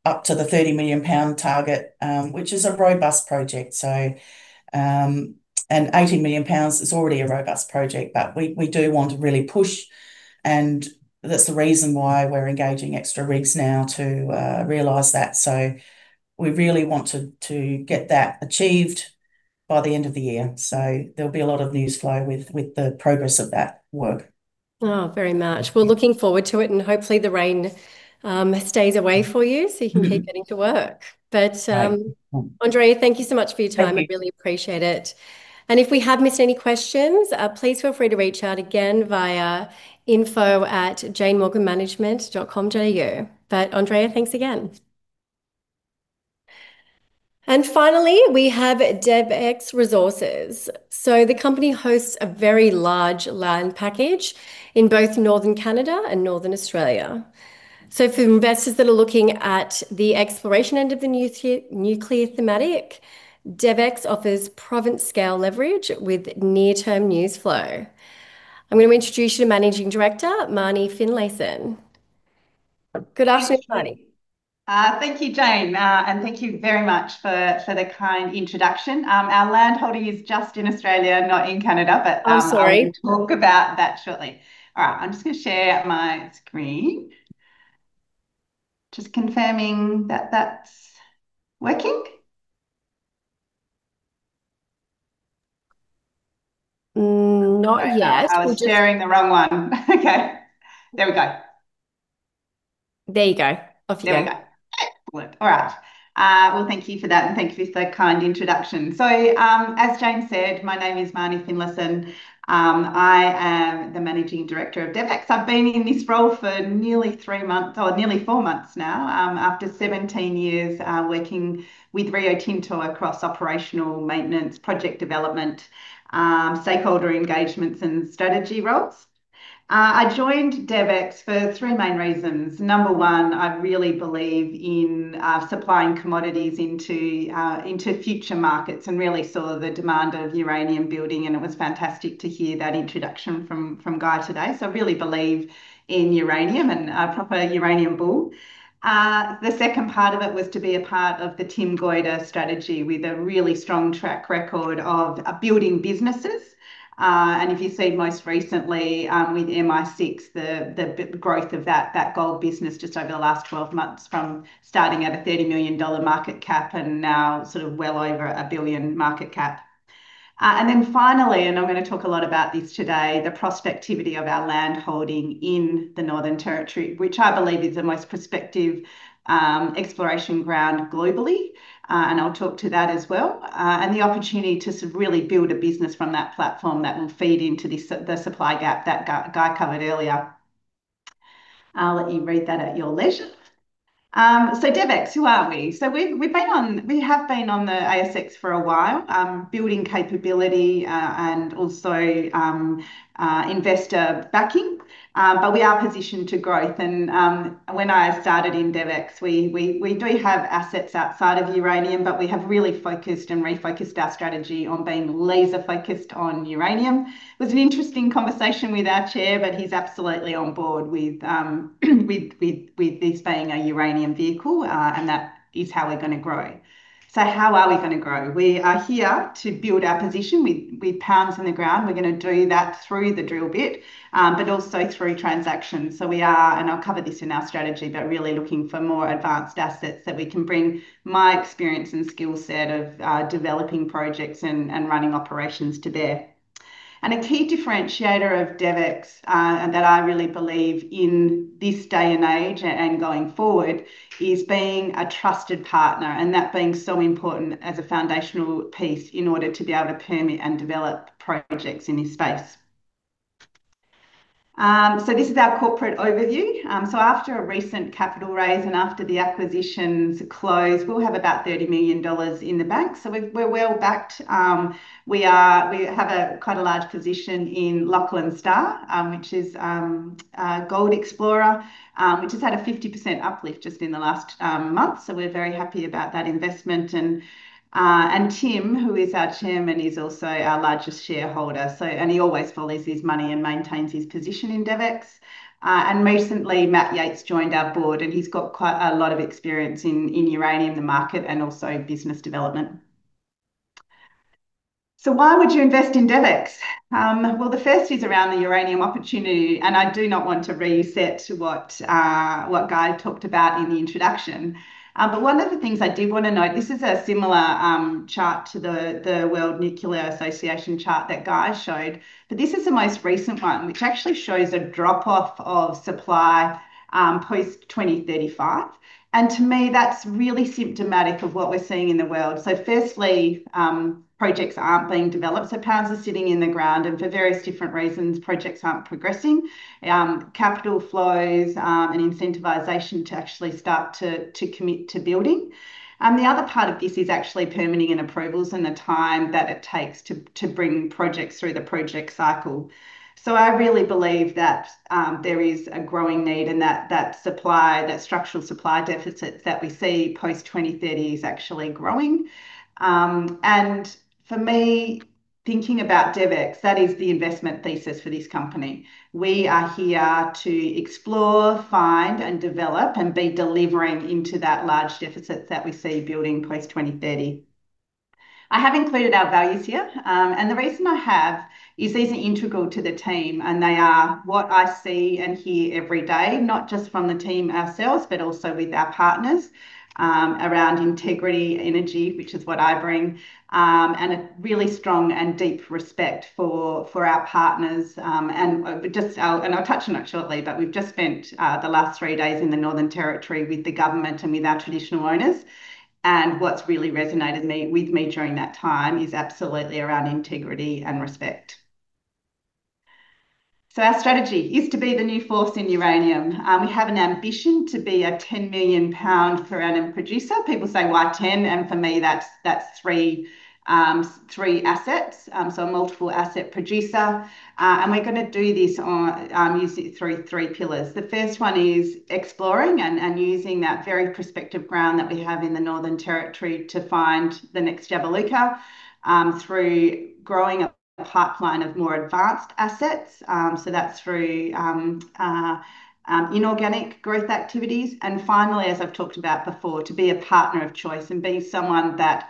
[SPEAKER 4] up to the 30 million-pound target, which is a robust project. 80 million pounds is already a robust project, but we do want to really push, and that's the reason why we're engaging extra rigs now to realize that. We really want to get that achieved by the end of the year. There'll be a lot of news flow with the progress of that work.
[SPEAKER 2] Oh, very much. We're looking forward to it, and hopefully the rain stays away for you so you can keep getting to work.
[SPEAKER 4] Right
[SPEAKER 2] Andrea, thank you so much for your time.
[SPEAKER 4] Thank you.
[SPEAKER 2] I really appreciate it. If we have missed any questions, please feel free to reach out again via info@janemorganmanagement.com.au. Andrea, thanks again. Finally, we have DevEx Resources. The company hosts a very large land package in both Northern Canada and Northern Australia. For investors that are looking at the exploration end of the new nuclear thematic, DevEx offers province-scale leverage with near-term news flow. I'm going to introduce you to Managing Director Marnie Finlayson. Good afternoon, Marnie.
[SPEAKER 5] Thank you, Jane. Thank you very much for the kind introduction. Our land holding is just in Australia, not in Canada, but
[SPEAKER 2] Oh, sorry.
[SPEAKER 5] I'll talk about that shortly. All right, I'm just gonna share my screen. Just confirming that that's working.
[SPEAKER 2] Not yet.
[SPEAKER 5] Okay. I was sharing the wrong one. Okay. There we go.
[SPEAKER 2] There you go. Off you go.
[SPEAKER 5] There we go. Excellent. All right. Well, thank you for that and thank you for the kind introduction. As Jane said, my name is Marnie Finlayson. I am the Managing Director of DevEx. I've been in this role for nearly three months, or nearly four months now, after 17 years working with Rio Tinto across operational maintenance, project development, stakeholder engagements, and strategy roles. I joined DevEx for three main reasons. Number one, I really believe in supplying commodities into future markets, and really saw the demand of uranium building, and it was fantastic to hear that introduction from Guy today. I really believe in uranium and a proper uranium bull. The second part of it was to be a part of the Tim Goyder strategy with a really strong track record of building businesses. If you see most recently, with MI6, the growth of that gold business just over the last 12 months from starting at a 30 million dollar market cap and now sort of well over 1 billion market cap. Finally, I'm gonna talk a lot about this today, the prospectivity of our land holding in the Northern Territory, which I believe is the most prospective exploration ground globally. I'll talk to that as well. The opportunity to sort of really build a business from that platform that will feed into this, the supply gap that Guy covered earlier. I'll let you read that at your leisure. DevEx, who are we? We've been on the ASX for a while, building capability, and also investor backing. We are positioned for growth and when I started in DevEx, we do have assets outside of uranium, but we have really focused and refocused our strategy on being laser-focused on uranium. It was an interesting conversation with our chair, but he's absolutely on board with this being a uranium vehicle. That is how we're gonna grow. How are we gonna grow? We are here to build our position with pounds in the ground. We're gonna do that through the drill bit, but also through transactions. We are, and I'll cover this in our strategy, but really looking for more advanced assets that we can bring my experience and skill set of developing projects and running operations to bear. A key differentiator of DevEx, and that I really believe in this day and age and going forward, is being a trusted partner, and that being so important as a foundational piece in order to be able to permit and develop projects in this space. This is our corporate overview. After a recent capital raise and after the acquisitions close, we'll have about 30 million dollars in the bank. We're well-backed. We have a kind of large position in Lachlan Star, which is a gold explorer, which has had a 50% uplift just in the last month, so we're very happy about that investment. Tim, who is our chairman, is also our largest shareholder. He always follows his money and maintains his position in DevEx. Recently, Matt Yates joined our board, and he's got quite a lot of experience in uranium, the market, and also business development. Why would you invest in DevEx? The first is around the uranium opportunity, and I do not want to reset what Guy talked about in the introduction. One of the things I did wanna note, this is a similar chart to the World Nuclear Association chart that Guy showed, but this is the most recent one, which actually shows a drop-off of supply post-2035. To me, that's really symptomatic of what we're seeing in the world. Firstly, projects aren't being developed, so pounds are sitting in the ground, and for various different reasons, projects aren't progressing. Capital flows and incentivization to actually start to commit to building. The other part of this is actually permitting and approvals and the time that it takes to bring projects through the project cycle. I really believe that there is a growing need, and that supply, that structural supply deficit that we see post 2030 is actually growing. For me, thinking about DevEx, that is the investment thesis for this company. We are here to explore, find, and develop and be delivering into that large deficit that we see building post 2030. I have included our values here. The reason I have is these are integral to the team, and they are what I see and hear every day, not just from the team ourselves, but also with our partners, around integrity, energy, which is what I bring, and a really strong and deep respect for our partners. I'll touch on it shortly, but we've just spent the last three days in the Northern Territory with the government and with our traditional owners, and what's really resonated with me during that time is absolutely around integrity and respect. Our strategy is to be the new force in uranium. We have an ambition to be a 10-million-pound uranium producer. People say, "Why 10?" For me, that's three assets, so a multiple asset producer. We're gonna do this through three pillars. The first one is exploring and using that very prospective ground that we have in the Northern Territory to find the next Jabiluka through growing a pipeline of more advanced assets. That's through inorganic growth activities and finally, as I've talked about before, to be a partner of choice and be someone that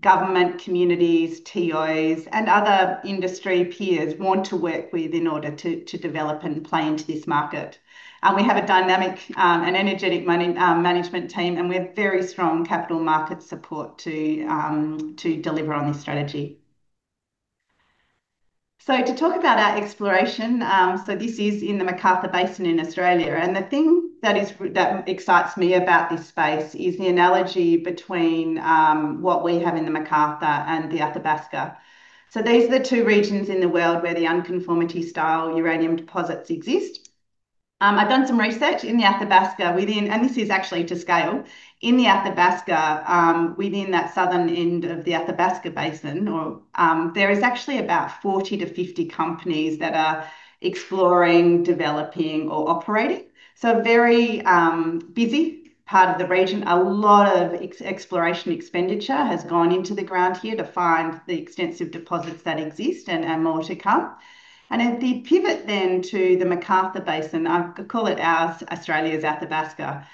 [SPEAKER 5] government, communities, TOs and other industry peers want to work with in order to develop and play into this market. We have a dynamic and energetic management team, and we have very strong capital market support to deliver on this strategy. To talk about our exploration, this is in the McArthur Basin in Australia, and the thing that excites me about this space is the analogy between what we have in the McArthur and the Athabasca. These are the two regions in the world where the unconformity style uranium deposits exist. I've done some research in the Athabasca. This is actually to scale. In the Athabasca, within that southern end of the Athabasca Basin, there is actually about 40-50 companies that are exploring, developing or operating. A very busy part of the region. A lot of exploration expenditure has gone into the ground here to find the extensive deposits that exist and more to come. The pivot to the McArthur Basin, I call it our Australia's Athabasca,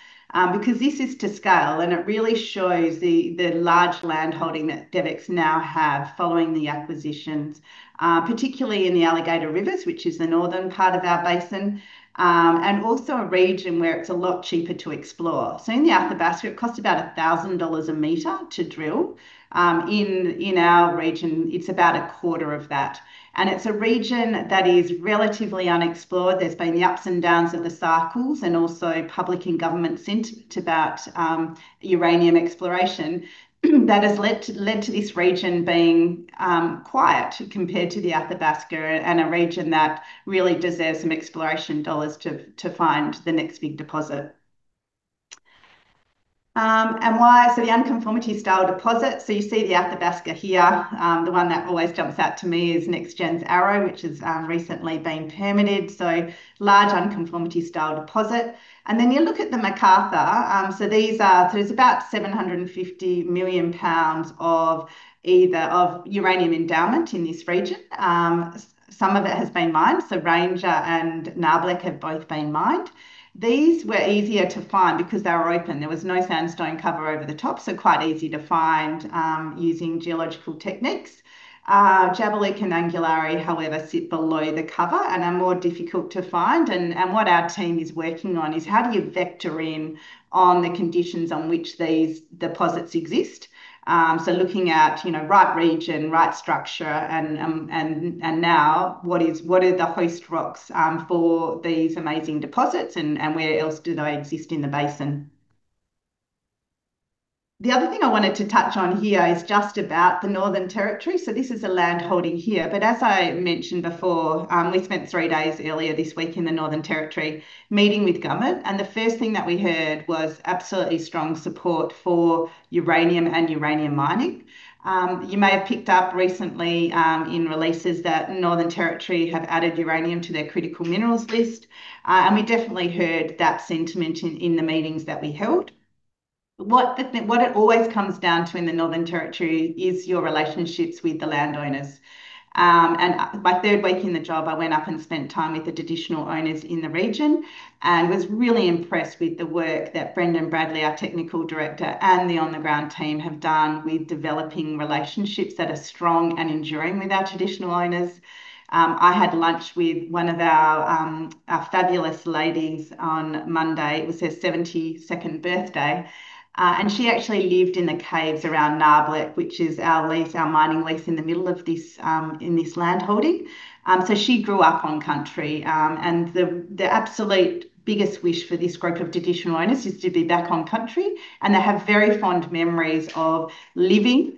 [SPEAKER 5] because this is to scale, and it really shows the large landholding that DevEx now have following the acquisitions, particularly in the Alligator Rivers, which is the northern part of our basin, and also a region where it's a lot cheaper to explore. In the Athabasca, it costs about $1,000 a meter to drill. In our region, it's about a quarter of that, and it's a region that is relatively unexplored. There's been the ups and downs of the cycles and also public and government sentiment about uranium exploration that has led to this region being quiet compared to the Athabasca and a region that really deserves some exploration dollars to find the next big deposit. The unconformity style deposit. You see the Athabasca here. The one that always jumps out to me is NexGen's Arrow, which has recently been permitted, so large unconformity style deposit. You look at the McArthur. There's about 750 million pounds of U3O8 endowment in this region. Some of it has been mined, so Ranger and Nabarlek have both been mined. These were easier to find because they were open. There was no sandstone cover over the top, so quite easy to find using geological techniques. Jabiluka and Angularli, however, sit below the cover and are more difficult to find. What our team is working on is how do you vector in on the conditions on which these deposits exist? Looking at, you know, right region, right structure and now what are the host rocks for these amazing deposits and where else do they exist in the basin? The other thing I wanted to touch on here is just about the Northern Territory. This is a land holding here, but as I mentioned before, we spent three days earlier this week in the Northern Territory meeting with government, and the first thing that we heard was absolutely strong support for uranium and uranium mining. You may have picked up recently in releases that Northern Territory have added uranium to their critical minerals list. We definitely heard that sentiment in the meetings that we held. What it always comes down to in the Northern Territory is your relationships with the landowners. My third week in the job, I went up and spent time with the traditional owners in the region and was really impressed with the work that Brendan Bradley, our technical director, and the on-the-ground team have done with developing relationships that are strong and enduring with our traditional owners. I had lunch with one of our fabulous ladies on Monday. It was her 72nd birthday. She actually lived in the caves around Nabarlek, which is our lease, our mining lease in the middle of this land holding. She grew up on country, and the absolute biggest wish for this group of traditional owners is to be back on country. They have very fond memories of living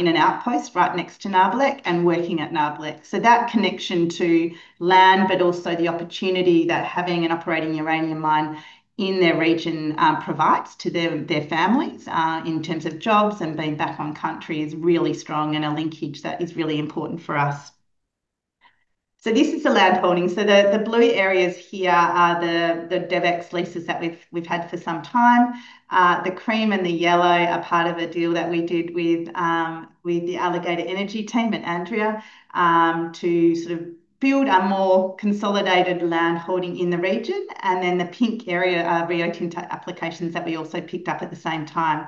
[SPEAKER 5] in an outpost right next to Nabarlek and working at Nabarlek. That connection to land, but also the opportunity that having an operating uranium mine in their region provides to their families in terms of jobs and being back on country is really strong and a linkage that is really important for us. This is the land holding. The blue areas here are the DevEx leases that we've had for some time. The cream and the yellow are part of a deal that we did with the Alligator Energy team at Andrea to sort of build a more consolidated land holding in the region. Then the pink area are reopen applications that we also picked up at the same time.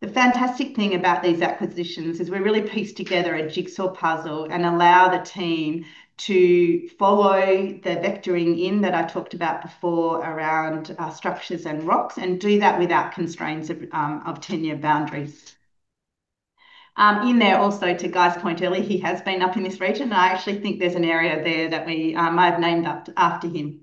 [SPEAKER 5] The fantastic thing about these acquisitions is we really pieced together a jigsaw puzzle and allow the team to follow the vectoring in that I talked about before around structures and rocks, and do that without constraints of tenure boundaries. In there also to Guy's point earlier, he has been up in this region. I actually think there's an area there that we may have named after him.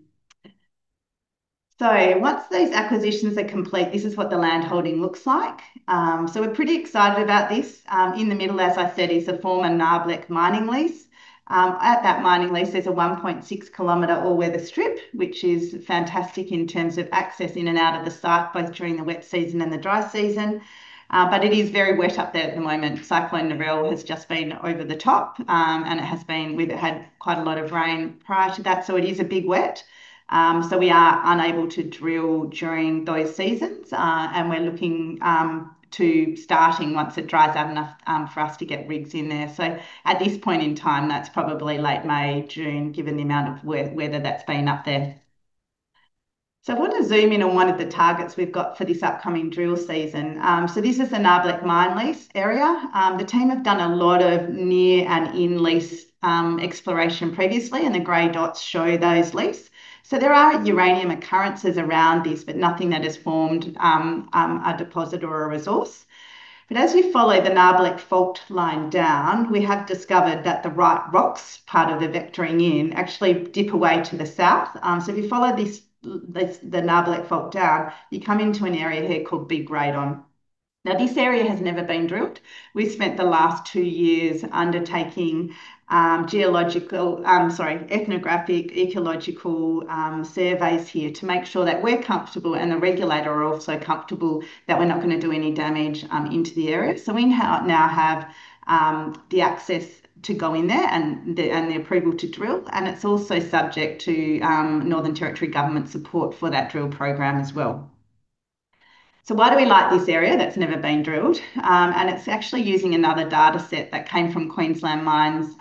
[SPEAKER 5] Once these acquisitions are complete, this is what the land holding looks like. We're pretty excited about this. In the middle, as I said, is the former Nabarlek mining lease. At that mining lease, there's a 1.6-km all-weather strip, which is fantastic in terms of access in and out of the site, both during the wet season and the dry season. It is very wet up there at the moment. Cyclone Norelle has just been over the top. We've had quite a lot of rain prior to that, so it is a big wet. We are unable to drill during those seasons. We're looking to starting once it dries out enough for us to get rigs in there. At this point in time, that's probably late May, June, given the amount of weather that's been up there. I want to zoom in on one of the targets we've got for this upcoming drill season. This is the Nabarlek mine lease area. The team have done a lot of near and in-lease exploration previously, and the gray dots show those lease. There are uranium occurrences around this, but nothing that has formed a deposit or a resource. As we follow the Nabarlek fault line down, we have discovered that the right rocks, part of the vectoring in, actually dip away to the south. If you follow this the Nabarlek fault down, you come into an area here called Big Radon. Now, this area has never been drilled. We've spent the last two years undertaking geological, sorry, ethnographic, ecological surveys here to make sure that we're comfortable and the regulator are also comfortable that we're not going to do any damage into the area. We now have the access to go in there and the approval to drill. It's also subject to Northern Territory Government support for that drill program as well. Why do we like this area that's never been drilled? It's actually using another data set that came from Queensland Mines.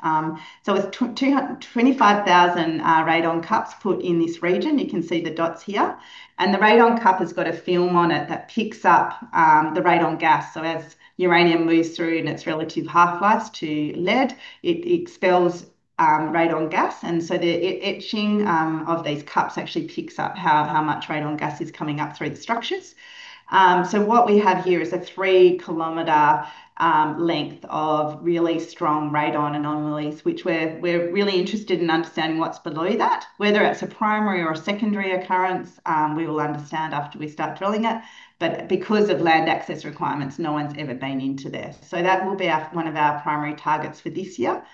[SPEAKER 5] It's 25,000 radon cups put in this region. You can see the dots here. The radon cup has got a film on it that picks up the radon gas. As uranium moves through in its relative half-lives to lead, it expels radon gas. The etching of these cups actually picks up how much radon gas is coming up through the structures. What we have here is a 3-km length of really strong radon anomalies, which we're really interested in understanding what's below that. Whether it's a primary or a secondary occurrence, we will understand after we start drilling it. Because of land access requirements, no one's ever been into this. That will be one of our primary targets for this year.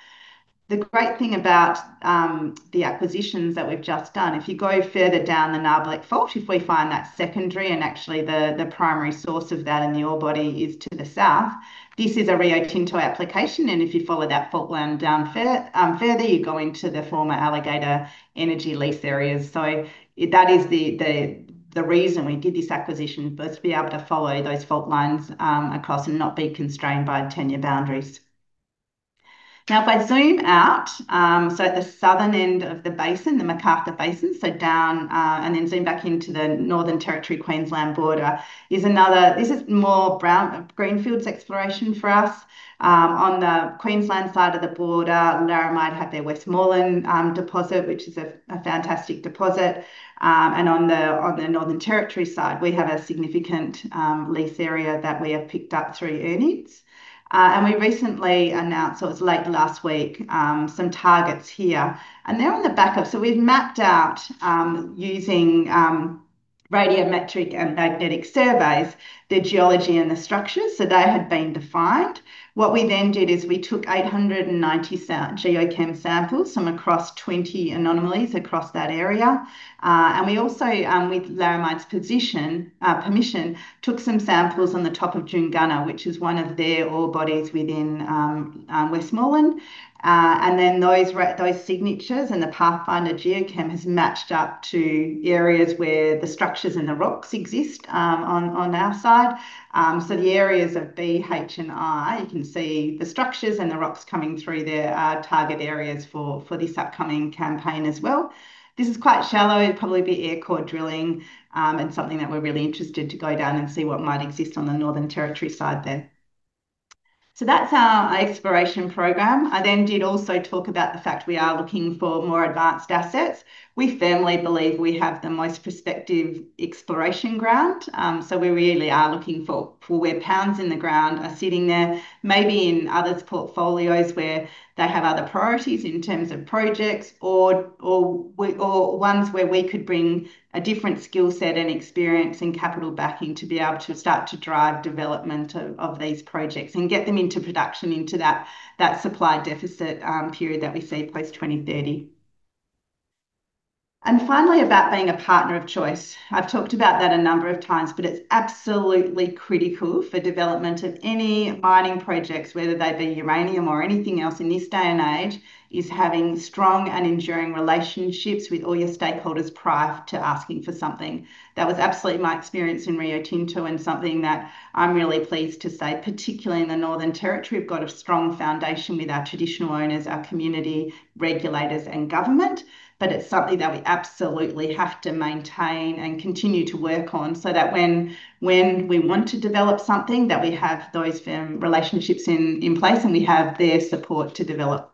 [SPEAKER 5] The great thing about the acquisitions that we've just done, if you go further down the Nabarlek Fault, if we find that secondary and actually the primary source of that in the ore body is to the south. This is a Rio Tinto application, and if you follow that fault line down further, you go into the former Alligator Energy lease areas. That is the reason we did this acquisition was to be able to follow those fault lines across and not be constrained by tenure boundaries. Now, if I zoom out, at the southern end of the basin, the McArthur Basin, down, and then zoom back into the Northern Territory Queensland border is another. This is more brownfield greenfields exploration for us. On the Queensland side of the border, Laramide had their Westmoreland deposit, which is a fantastic deposit. On the Northern Territory side, we have a significant lease area that we have picked up through earn-ins. We recently announced, it was late last week, some targets here, and they're on the back of. We've mapped out, using radiometric and magnetic surveys, the geology and the structures. They had been defined. What we then did is we took 890 soil geochem samples from across 20 anomalies across that area. We also, with Laramide's permission, took some samples on the top of Junnagunna, which is one of their ore bodies within Westmoreland. Those signatures and the pathfinder geochem has matched up to areas where the structures and the rocks exist, on our side. The areas of B, H, and I, you can see the structures and the rocks coming through there are target areas for this upcoming campaign as well. This is quite shallow. It'll probably be air core drilling, and something that we're really interested to go down and see what might exist on the Northern Territory side there. That's our exploration program. I then did also talk about the fact we are looking for more advanced assets. We firmly believe we have the most prospective exploration ground. We really are looking for where pounds in the ground are sitting there, maybe in others' portfolios where they have other priorities in terms of projects or ones where we could bring a different skill set and experience and capital backing to be able to start to drive development of these projects and get them into production into that supply deficit period that we see post-2030. Finally about being a partner of choice. I've talked about that a number of times, but it's absolutely critical for development of any mining projects, whether they be uranium or anything else in this day and age, is having strong and enduring relationships with all your stakeholders prior to asking for something. That was absolutely my experience in Rio Tinto and something that I'm really pleased to say, particularly in the Northern Territory. We've got a strong foundation with our traditional owners, our community, regulators, and government. It's something that we absolutely have to maintain and continue to work on so that when we want to develop something, that we have those firm relationships in place and we have their support to develop.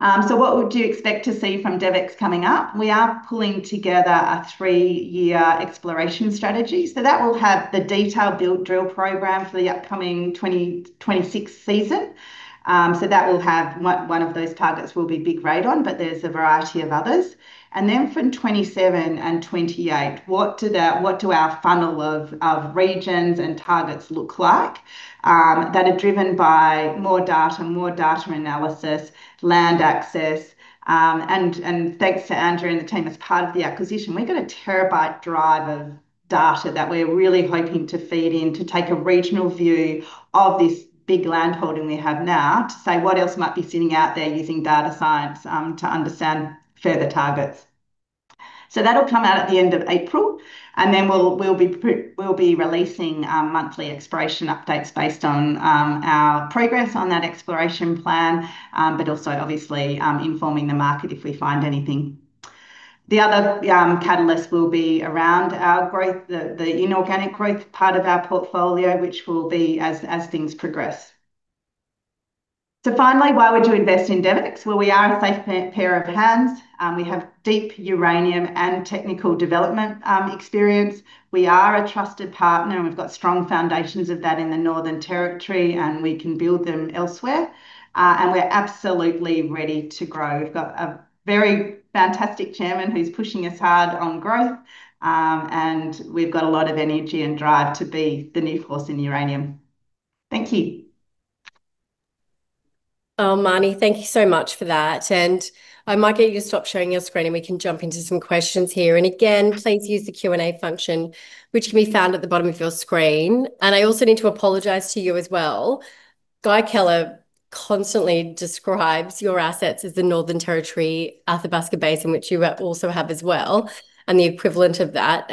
[SPEAKER 5] What would you expect to see from DevEx coming up? We are pulling together a three-year exploration strategy. That will have the detailed build drill program for the upcoming 2026 season. One of those targets will be Big Radon, but there's a variety of others. From 2027 and 2028, what does our funnel of regions and targets look like that are driven by more data analysis, land access? Thanks to Andrew and the team, as part of the acquisition, we got a terabyte drive of data that we're really hoping to feed in to take a regional view of this big land holding we have now to say what else might be sitting out there using data science to understand further targets. That'll come out at the end of April, and then we'll be releasing monthly exploration updates based on our progress on that exploration plan, but also obviously informing the market if we find anything. The other catalyst will be around our growth, the inorganic growth part of our portfolio, which will be as things progress. Finally, why would you invest in DevEx? Well, we are a safe pair of hands. We have deep uranium and technical development experience. We are a trusted partner, and we've got strong foundations of that in the Northern Territory, and we can build them elsewhere. We're absolutely ready to grow. We've got a very fantastic Chairman who's pushing us hard on growth, and we've got a lot of energy and drive to be the new force in uranium. Thank you.
[SPEAKER 2] Oh, Marnie, thank you so much for that. I might get you to stop sharing your screen, and we can jump into some questions here. Again, please use the Q&A function, which can be found at the bottom of your screen. I also need to apologize to you as well. Guy Keller constantly describes your assets as the Northern Territory Athabasca Basin, which you also have as well, and the equivalent of that.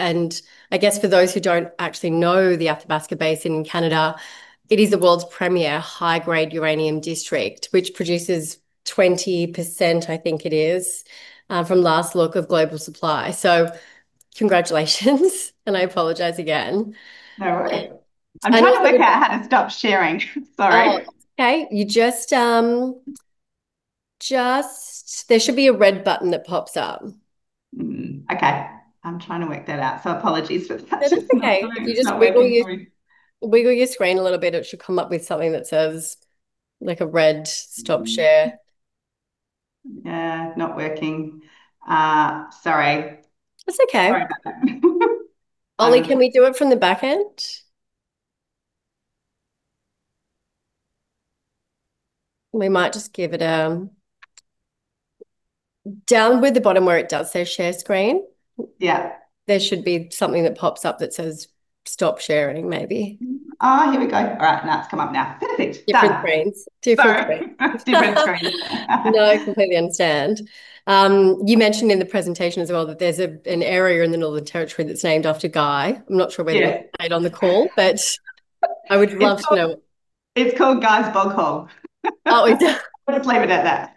[SPEAKER 2] I guess for those who don't actually know the Athabasca Basin in Canada, it is the world's premier high-grade uranium district, which produces 20%, I think it is, from last look of global supply. Congratulations, and I apologize again.
[SPEAKER 5] No worry.
[SPEAKER 2] If you
[SPEAKER 5] I'm trying to work out how to stop sharing. Sorry.
[SPEAKER 2] Oh, okay. You just, um, just... There should be a red button that pops up.
[SPEAKER 5] Okay. I'm trying to work that out, so apologies for the touch of
[SPEAKER 2] No, that's okay.
[SPEAKER 5] I'm trying to work my way through....
[SPEAKER 2] wiggle your screen a little bit. It should come up with something that says, like a red Stop Share
[SPEAKER 5] Not working. Sorry.
[SPEAKER 2] It's okay.
[SPEAKER 5] Sorry about that.
[SPEAKER 2] Ollie, can we do it from the back end? We might just give it a down where the bottom where it does say share screen.
[SPEAKER 5] Yeah
[SPEAKER 2] there should be something that pops up that says stop sharing maybe.
[SPEAKER 5] Here we go. All right, now it's come up now. Perfect. Done.
[SPEAKER 2] Different screens.
[SPEAKER 5] Sorry. Different screens.
[SPEAKER 2] No, I completely understand. You mentioned in the presentation as well that there's an area in the Northern Territory that's named after Guy.
[SPEAKER 5] Yeah.
[SPEAKER 2] I'm not sure whether he's on the call. I would love to know.
[SPEAKER 5] It's called Guy's Bog Hole.
[SPEAKER 2] Oh, is it?
[SPEAKER 5] We'll just leave it at that.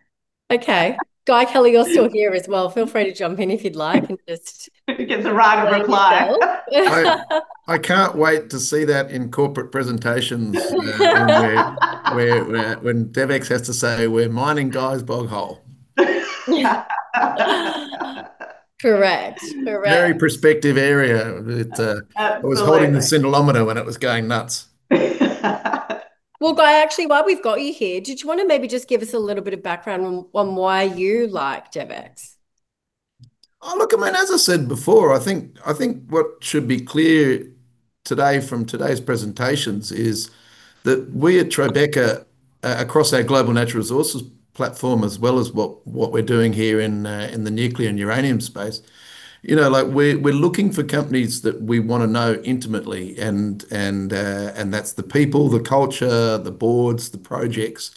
[SPEAKER 2] Okay. Guy Keller, you're still here as well. Feel free to jump in if you'd like and just.
[SPEAKER 5] He gets a right of reply.
[SPEAKER 2] Tell us, Bill.
[SPEAKER 1] I can't wait to see that in corporate presentations, you know, when DevEx has to say, "We're mining Guy's Bog Hole.
[SPEAKER 2] Yeah. Correct.
[SPEAKER 1] Very prospective area.
[SPEAKER 5] Absolutely
[SPEAKER 1] I was holding the scintillometer when it was going nuts.
[SPEAKER 2] Well, Guy, actually, while we've got you here, did you wanna maybe just give us a little bit of background on why you like DevEx?
[SPEAKER 1] Oh, look, I mean as I said before, I think what should be clear today from today's presentations is that we at Tribeca across our global natural resources platform, as well as what we're doing here in the nuclear and uranium space, you know, like we're looking for companies that we wanna know intimately, and that's the people, the culture, the boards, the projects.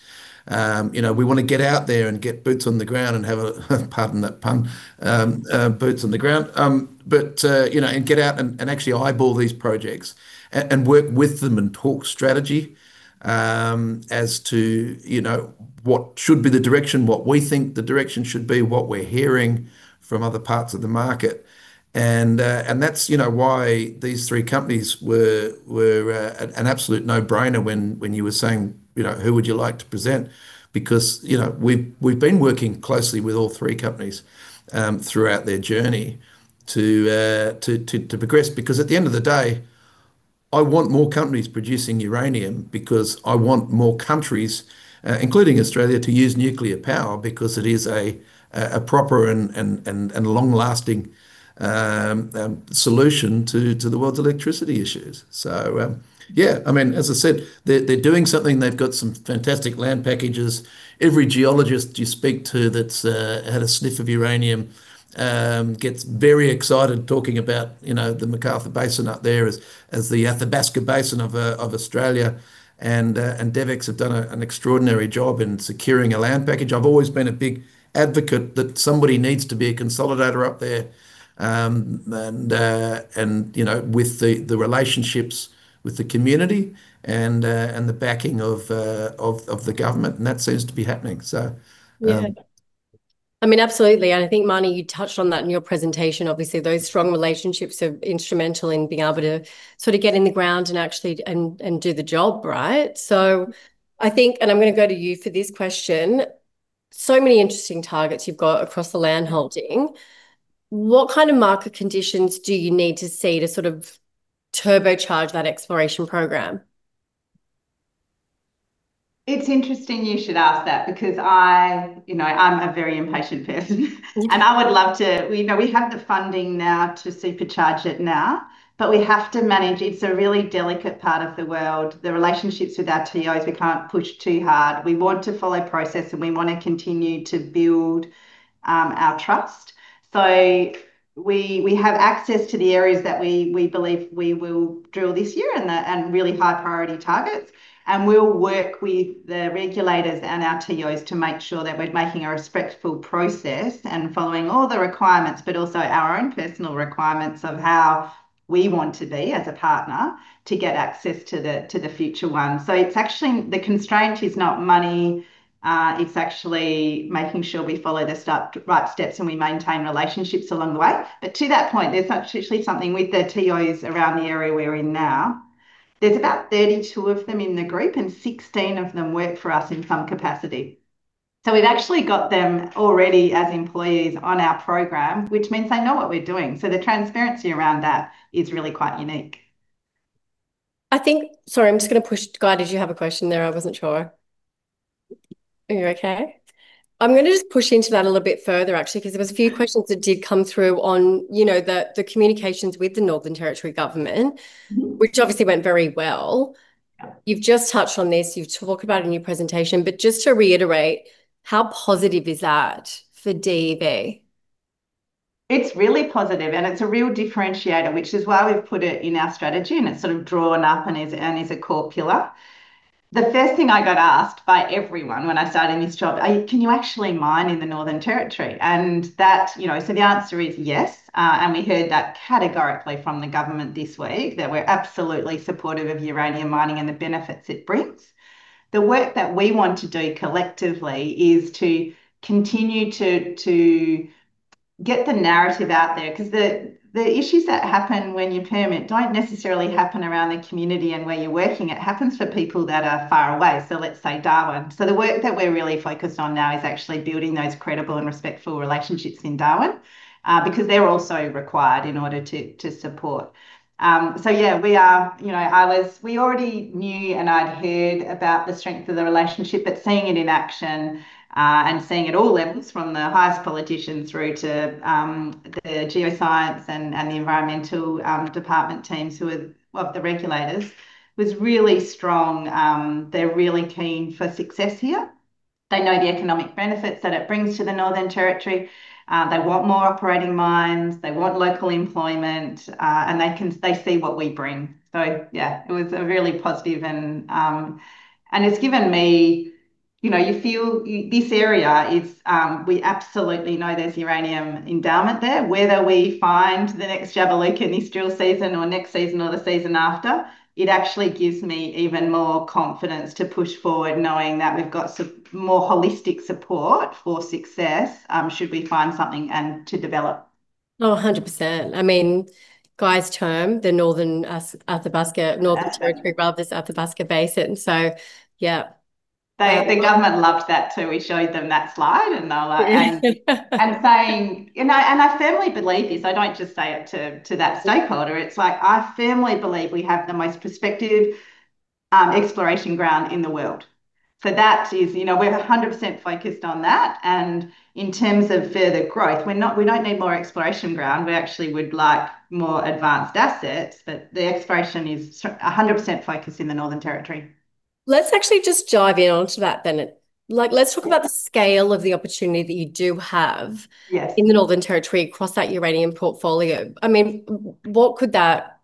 [SPEAKER 1] You know, we wanna get out there and get boots on the ground and pardon the pun, boots on the ground. You know, get out and actually eyeball these projects and work with them and talk strategy as to, you know, what should be the direction, what we think the direction should be, what we're hearing from other parts of the market. That's, you know, why these three companies were an absolute no-brainer when you were saying, you know, "Who would you like to present?" You know, we've been working closely with all three companies throughout their journey to progress. At the end of the day, I want more companies producing uranium because I want more countries, including Australia, to use nuclear power because it is a proper and long-lasting solution to the world's electricity issues. Yeah, I mean, as I said, they're doing something, they've got some fantastic land packages. Every geologist you speak to that's had a sniff of uranium gets very excited talking about, you know, the McArthur Basin up there as the Athabasca Basin of Australia. DevEx have done an extraordinary job in securing a land package. I've always been a big advocate that somebody needs to be a consolidator up there, you know, with the relationships with the community and the backing of the government and that seems to be happening.
[SPEAKER 2] Yeah. I mean, absolutely, and I think Marnie you touched on that in your presentation. Obviously, those strong relationships are instrumental in being able to sort of get in the ground and actually and do the job, right? I think, and I'm gonna go to you for this question, so many interesting targets you've got across the land holding. What kind of market conditions do you need to see to sort of turbocharge that exploration program?
[SPEAKER 5] It's interesting you should ask that because I, you know, I'm a very impatient person.
[SPEAKER 2] Yeah.
[SPEAKER 5] I would love to. We have the funding now to supercharge it now, but we have to manage. It's a really delicate part of the world. The relationships with our TOs, we can't push too hard. We want to follow process, and we wanna continue to build our trust. We have access to the areas that we believe we will drill this year and really high priority targets. We'll work with the regulators and our TOs to make sure that we're making a respectful process and following all the requirements, but also our own personal requirements of how we want to be as a partner to get access to the future one. It's actually the constraint is not money. It's actually making sure we follow the right steps, and we maintain relationships along the way. To that point, there's actually something with the TOs around the area we're in now. There's about 32 of them in the group, and 16 of them work for us in some capacity. We've actually got them already as employees on our program, which means they know what we're doing. The transparency around that is really quite unique.
[SPEAKER 2] Sorry, I'm just gonna push. Guy, did you have a question there? I wasn't sure. Are you okay? I'm gonna just push into that a little bit further actually, 'cause there was a few questions that did come through on, you know, the communications with the Northern Territory Government.
[SPEAKER 5] Mm-hmm
[SPEAKER 2] which obviously went very well.
[SPEAKER 5] Yeah.
[SPEAKER 2] You've just touched on this, you talk about it in your presentation, but just to reiterate, how positive is that for DEV?
[SPEAKER 5] It's really positive, and it's a real differentiator, which is why we've put it in our strategy and it's sort of drawn up and is a core pillar. The first thing I got asked by everyone when I started this job, "Can you actually mine in the Northern Territory?" That, you know, so the answer is yes, and we heard that categorically from the government this week, that we're absolutely supportive of uranium mining and the benefits it brings. The work that we want to do collectively is to continue to get the narrative out there, 'cause the issues that happen when you permit don't necessarily happen around the community and where you're working. It happens for people that are far away, so let's say Darwin. The work that we're really focused on now is actually building those credible and respectful relationships in Darwin, because they're also required in order to support. We already knew and I'd heard about the strength of the relationship, but seeing it in action, and seeing at all levels, from the highest politicians through to the geoscience and the environmental department teams who are, well, the regulators, was really strong. They're really keen for success here. They know the economic benefits that it brings to the Northern Territory. They want more operating mines, they want local employment, and they see what we bring. It was a really positive, you know, we absolutely know there's uranium endowment there. Whether we find the next Jabiluka this drill season or next season, or the season after, it actually gives me even more confidence to push forward knowing that we've got more holistic support for success, should we find something and to develop.
[SPEAKER 2] Oh, 100%. I mean, Guy's term, the Northern Athabasca-
[SPEAKER 5] Yeah
[SPEAKER 2] Northern Territory, rather, is Athabasca Basin. Yeah.
[SPEAKER 5] The government loved that, too. We showed them that slide, and they were saying. You know, and I firmly believe this, I don't just say it to that stakeholder. It's like I firmly believe we have the most prospective exploration ground in the world. So that is. You know, we're 100% focused on that. In terms of further growth, we don't need more exploration ground. We actually would like more advanced assets, but the exploration is 100% focused in the Northern Territory.
[SPEAKER 2] Let's actually just dive into that then. Like, let's talk about the scale of the opportunity that you do have.
[SPEAKER 5] Yes...
[SPEAKER 2] in the Northern Territory across that uranium portfolio. I mean, what could that, you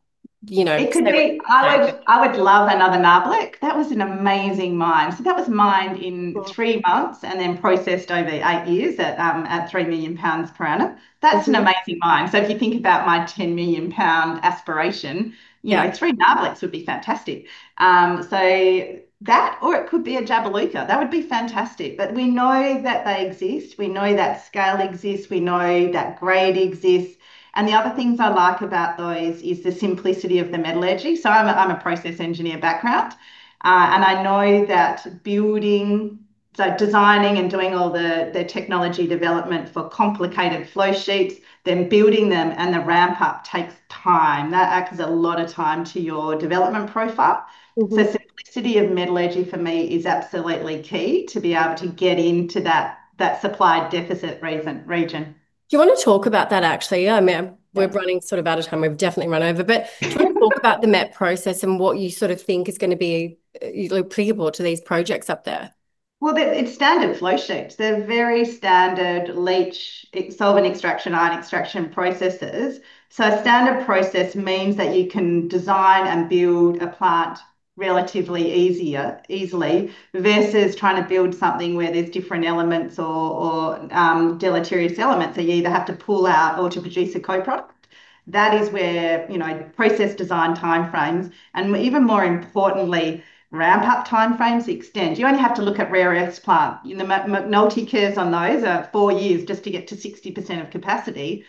[SPEAKER 2] know, sort of-
[SPEAKER 5] It could be-
[SPEAKER 2] Yeah.
[SPEAKER 5] I would love another Nabarlek. That was an amazing mine. That was mined in three months, and then processed over eight years at 3 million pounds per annum. That's an amazing mine. If you think about my 10-million-pound aspiration, you know, 3 Nabarlek's would be fantastic. Or it could be a Jabiluka, that would be fantastic. We know that they exist, we know that scale exists, we know that grade exists. The other things I like about those is the simplicity of the metallurgy. I'm a process engineer background. I know that building designing and doing all the technology development for complicated flow sheets, then building them and the ramp up takes time. That adds a lot of time to your development profile.
[SPEAKER 2] Mm-hmm.
[SPEAKER 5] Simplicity of metallurgy for me is absolutely key to be able to get into that supply deficit region.
[SPEAKER 2] Do you want to talk about that, actually? I mean, we're running sort of out of time. We've definitely run over. Can you talk about the MET process and what you sort of think is gonna be, you know, applicable to these projects up there?
[SPEAKER 5] It's standard flowsheets. They're very standard leach and ion extraction processes. A standard process means that you can design and build a plant relatively easier versus trying to build something where there's different elements or deleterious elements that you either have to pull out or to produce a co-product. That is where process design timeframes and, even more importantly, ramp-up timeframes extend. You only have to look at rare earths plant. You know, the penalty curves on those are four years just to get to 60% of capacity.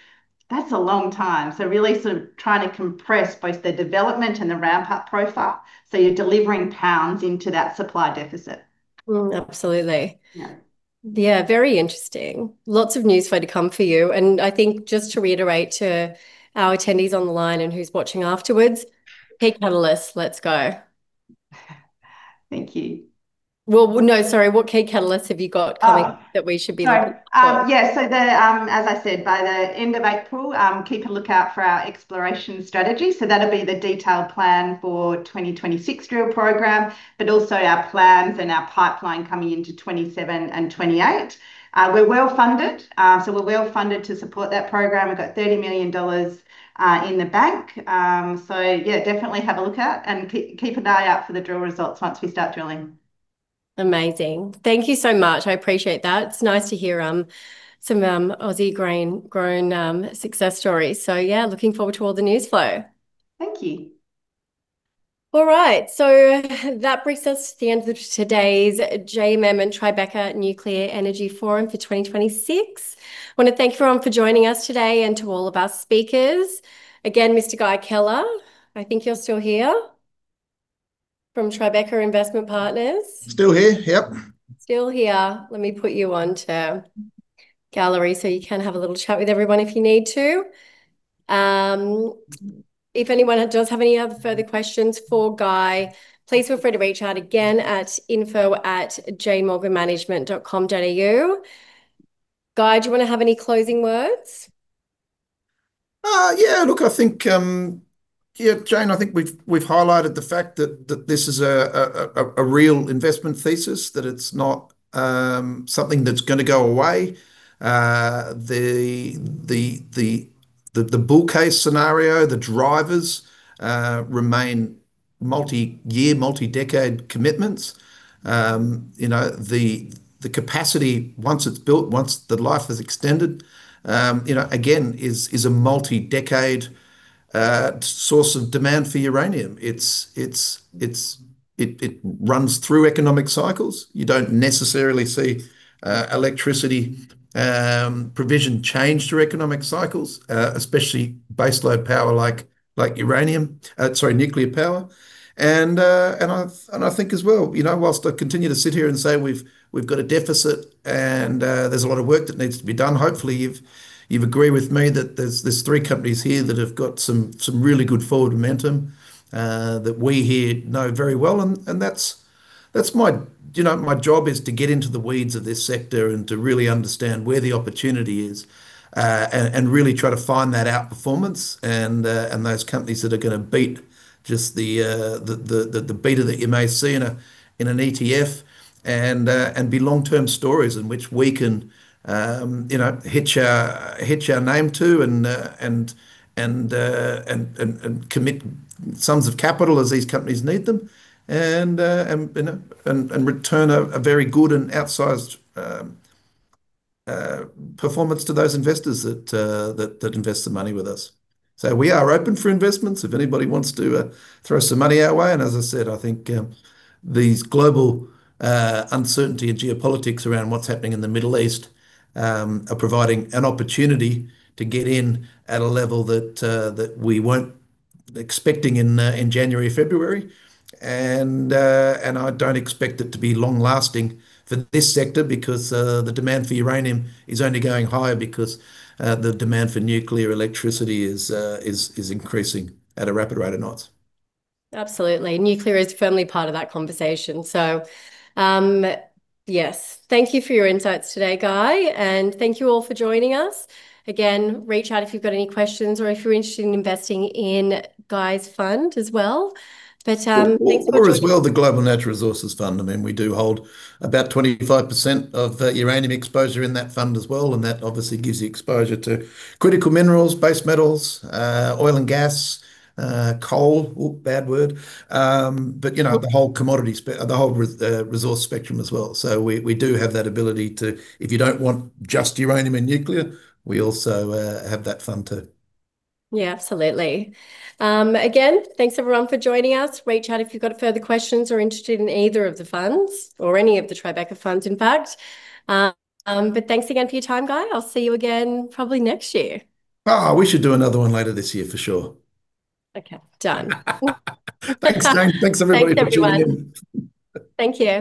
[SPEAKER 5] That's a long time. Really sort of trying to compress both the development and the ramp-up profile, so you're delivering pounds into that supply deficit.
[SPEAKER 2] Mm, absolutely.
[SPEAKER 5] Yeah.
[SPEAKER 2] Yeah, very interesting. Lots of newsflow to come for you. I think, just to reiterate to our attendees on the line and who's watching afterwards, key catalysts, let's go.
[SPEAKER 5] Thank you.
[SPEAKER 2] What key catalysts have you got coming-
[SPEAKER 5] Oh
[SPEAKER 2] that we should be looking for?
[SPEAKER 5] As I said, by the end of April, keep a lookout for our exploration strategy. That'll be the detailed plan for 2026 drill program, but also our plans and our pipeline coming into 2027 and 2028. We're well-funded to support that program. We've got 30 million dollars in the bank. Definitely have a look at and keep an eye out for the drill results once we start drilling.
[SPEAKER 2] Amazing. Thank you so much. I appreciate that. It's nice to hear some Aussie grain-grown success stories. Yeah, looking forward to all the newsflow.
[SPEAKER 5] Thank you.
[SPEAKER 2] All right. That brings us to the end of today's JMM and Tribeca Nuclear Energy Forum for 2026. I want to thank everyone for joining us today and to all of our speakers. Again, Mr. Guy Keller, I think you're still here, from Tribeca Investment Partners.
[SPEAKER 1] Still here. Yep.
[SPEAKER 2] Still here. Let me put you onto gallery so you can have a little chat with everyone if you need to. If anyone does have any other further questions for Guy, please feel free to reach out again at info@janemorganmanagement.com.au. Guy, do you want to have any closing words?
[SPEAKER 1] Yeah. Look, I think, yeah, Jane, I think we've highlighted the fact that this is a real investment thesis, that it's not something that's gonna go away. The bull case scenario, the drivers remain multi-year, multi-decade commitments. You know, the capacity, once it's built, once the life is extended, you know, again, is a multi-decade source of demand for uranium. It runs through economic cycles. You don't necessarily see electricity provision change through economic cycles, especially baseload power like uranium. Sorry, nuclear power. I think as well, you know, while I continue to sit here and say we've got a deficit and there's a lot of work that needs to be done, hopefully you've agreed with me that there's three companies here that have got some really good forward momentum that we here know very well. That's my.. You know, my job is to get into the weeds of this sector and to really understand where the opportunity is, and really try to find that out-performance and those companies that are gonna beat just the beta that you may see in an ETF and be long-term stories in which we can, you know, hitch our name to and commit sums of capital as these companies need them and, you know, return a very good and outsized performance to those investors that invest their money with us. We are open for investments if anybody wants to throw some money our way. As I said, I think these global uncertainty and geopolitics around what's happening in the Middle East are providing an opportunity to get in at a level that we weren't expecting in January, February. I don't expect it to be long-lasting for this sector because the demand for uranium is only going higher because the demand for nuclear electricity is increasing at a rapid rate of knots.
[SPEAKER 2] Absolutely. Nuclear is firmly part of that conversation. Yes. Thank you for your insights today, Guy, and thank you all for joining us. Again, reach out if you've got any questions or if you're interested in investing in Guy's fund as well. Thanks so much for joining.
[SPEAKER 1] The Tribeca Global Natural Resources Fund. I mean, we do hold about 25% of the uranium exposure in that fund as well and that obviously gives the exposure to critical minerals, base metals, oil and gas, coal, bad word. But you know, the whole resource spectrum as well. We do have that ability. If you don't want just uranium and nuclear, we also have that fund too.
[SPEAKER 2] Yeah, absolutely. Again, thanks everyone for joining us. Reach out if you've got further questions or are interested in either of the funds or any of the Tribeca funds, in fact. Thanks again for your time, Guy. I'll see you again probably next year.
[SPEAKER 1] Oh, we should do another one later this year for sure.
[SPEAKER 2] Okay. Done.
[SPEAKER 1] Thanks, Jane. Thanks everybody for joining in.
[SPEAKER 2] Thanks, everyone. Thank you.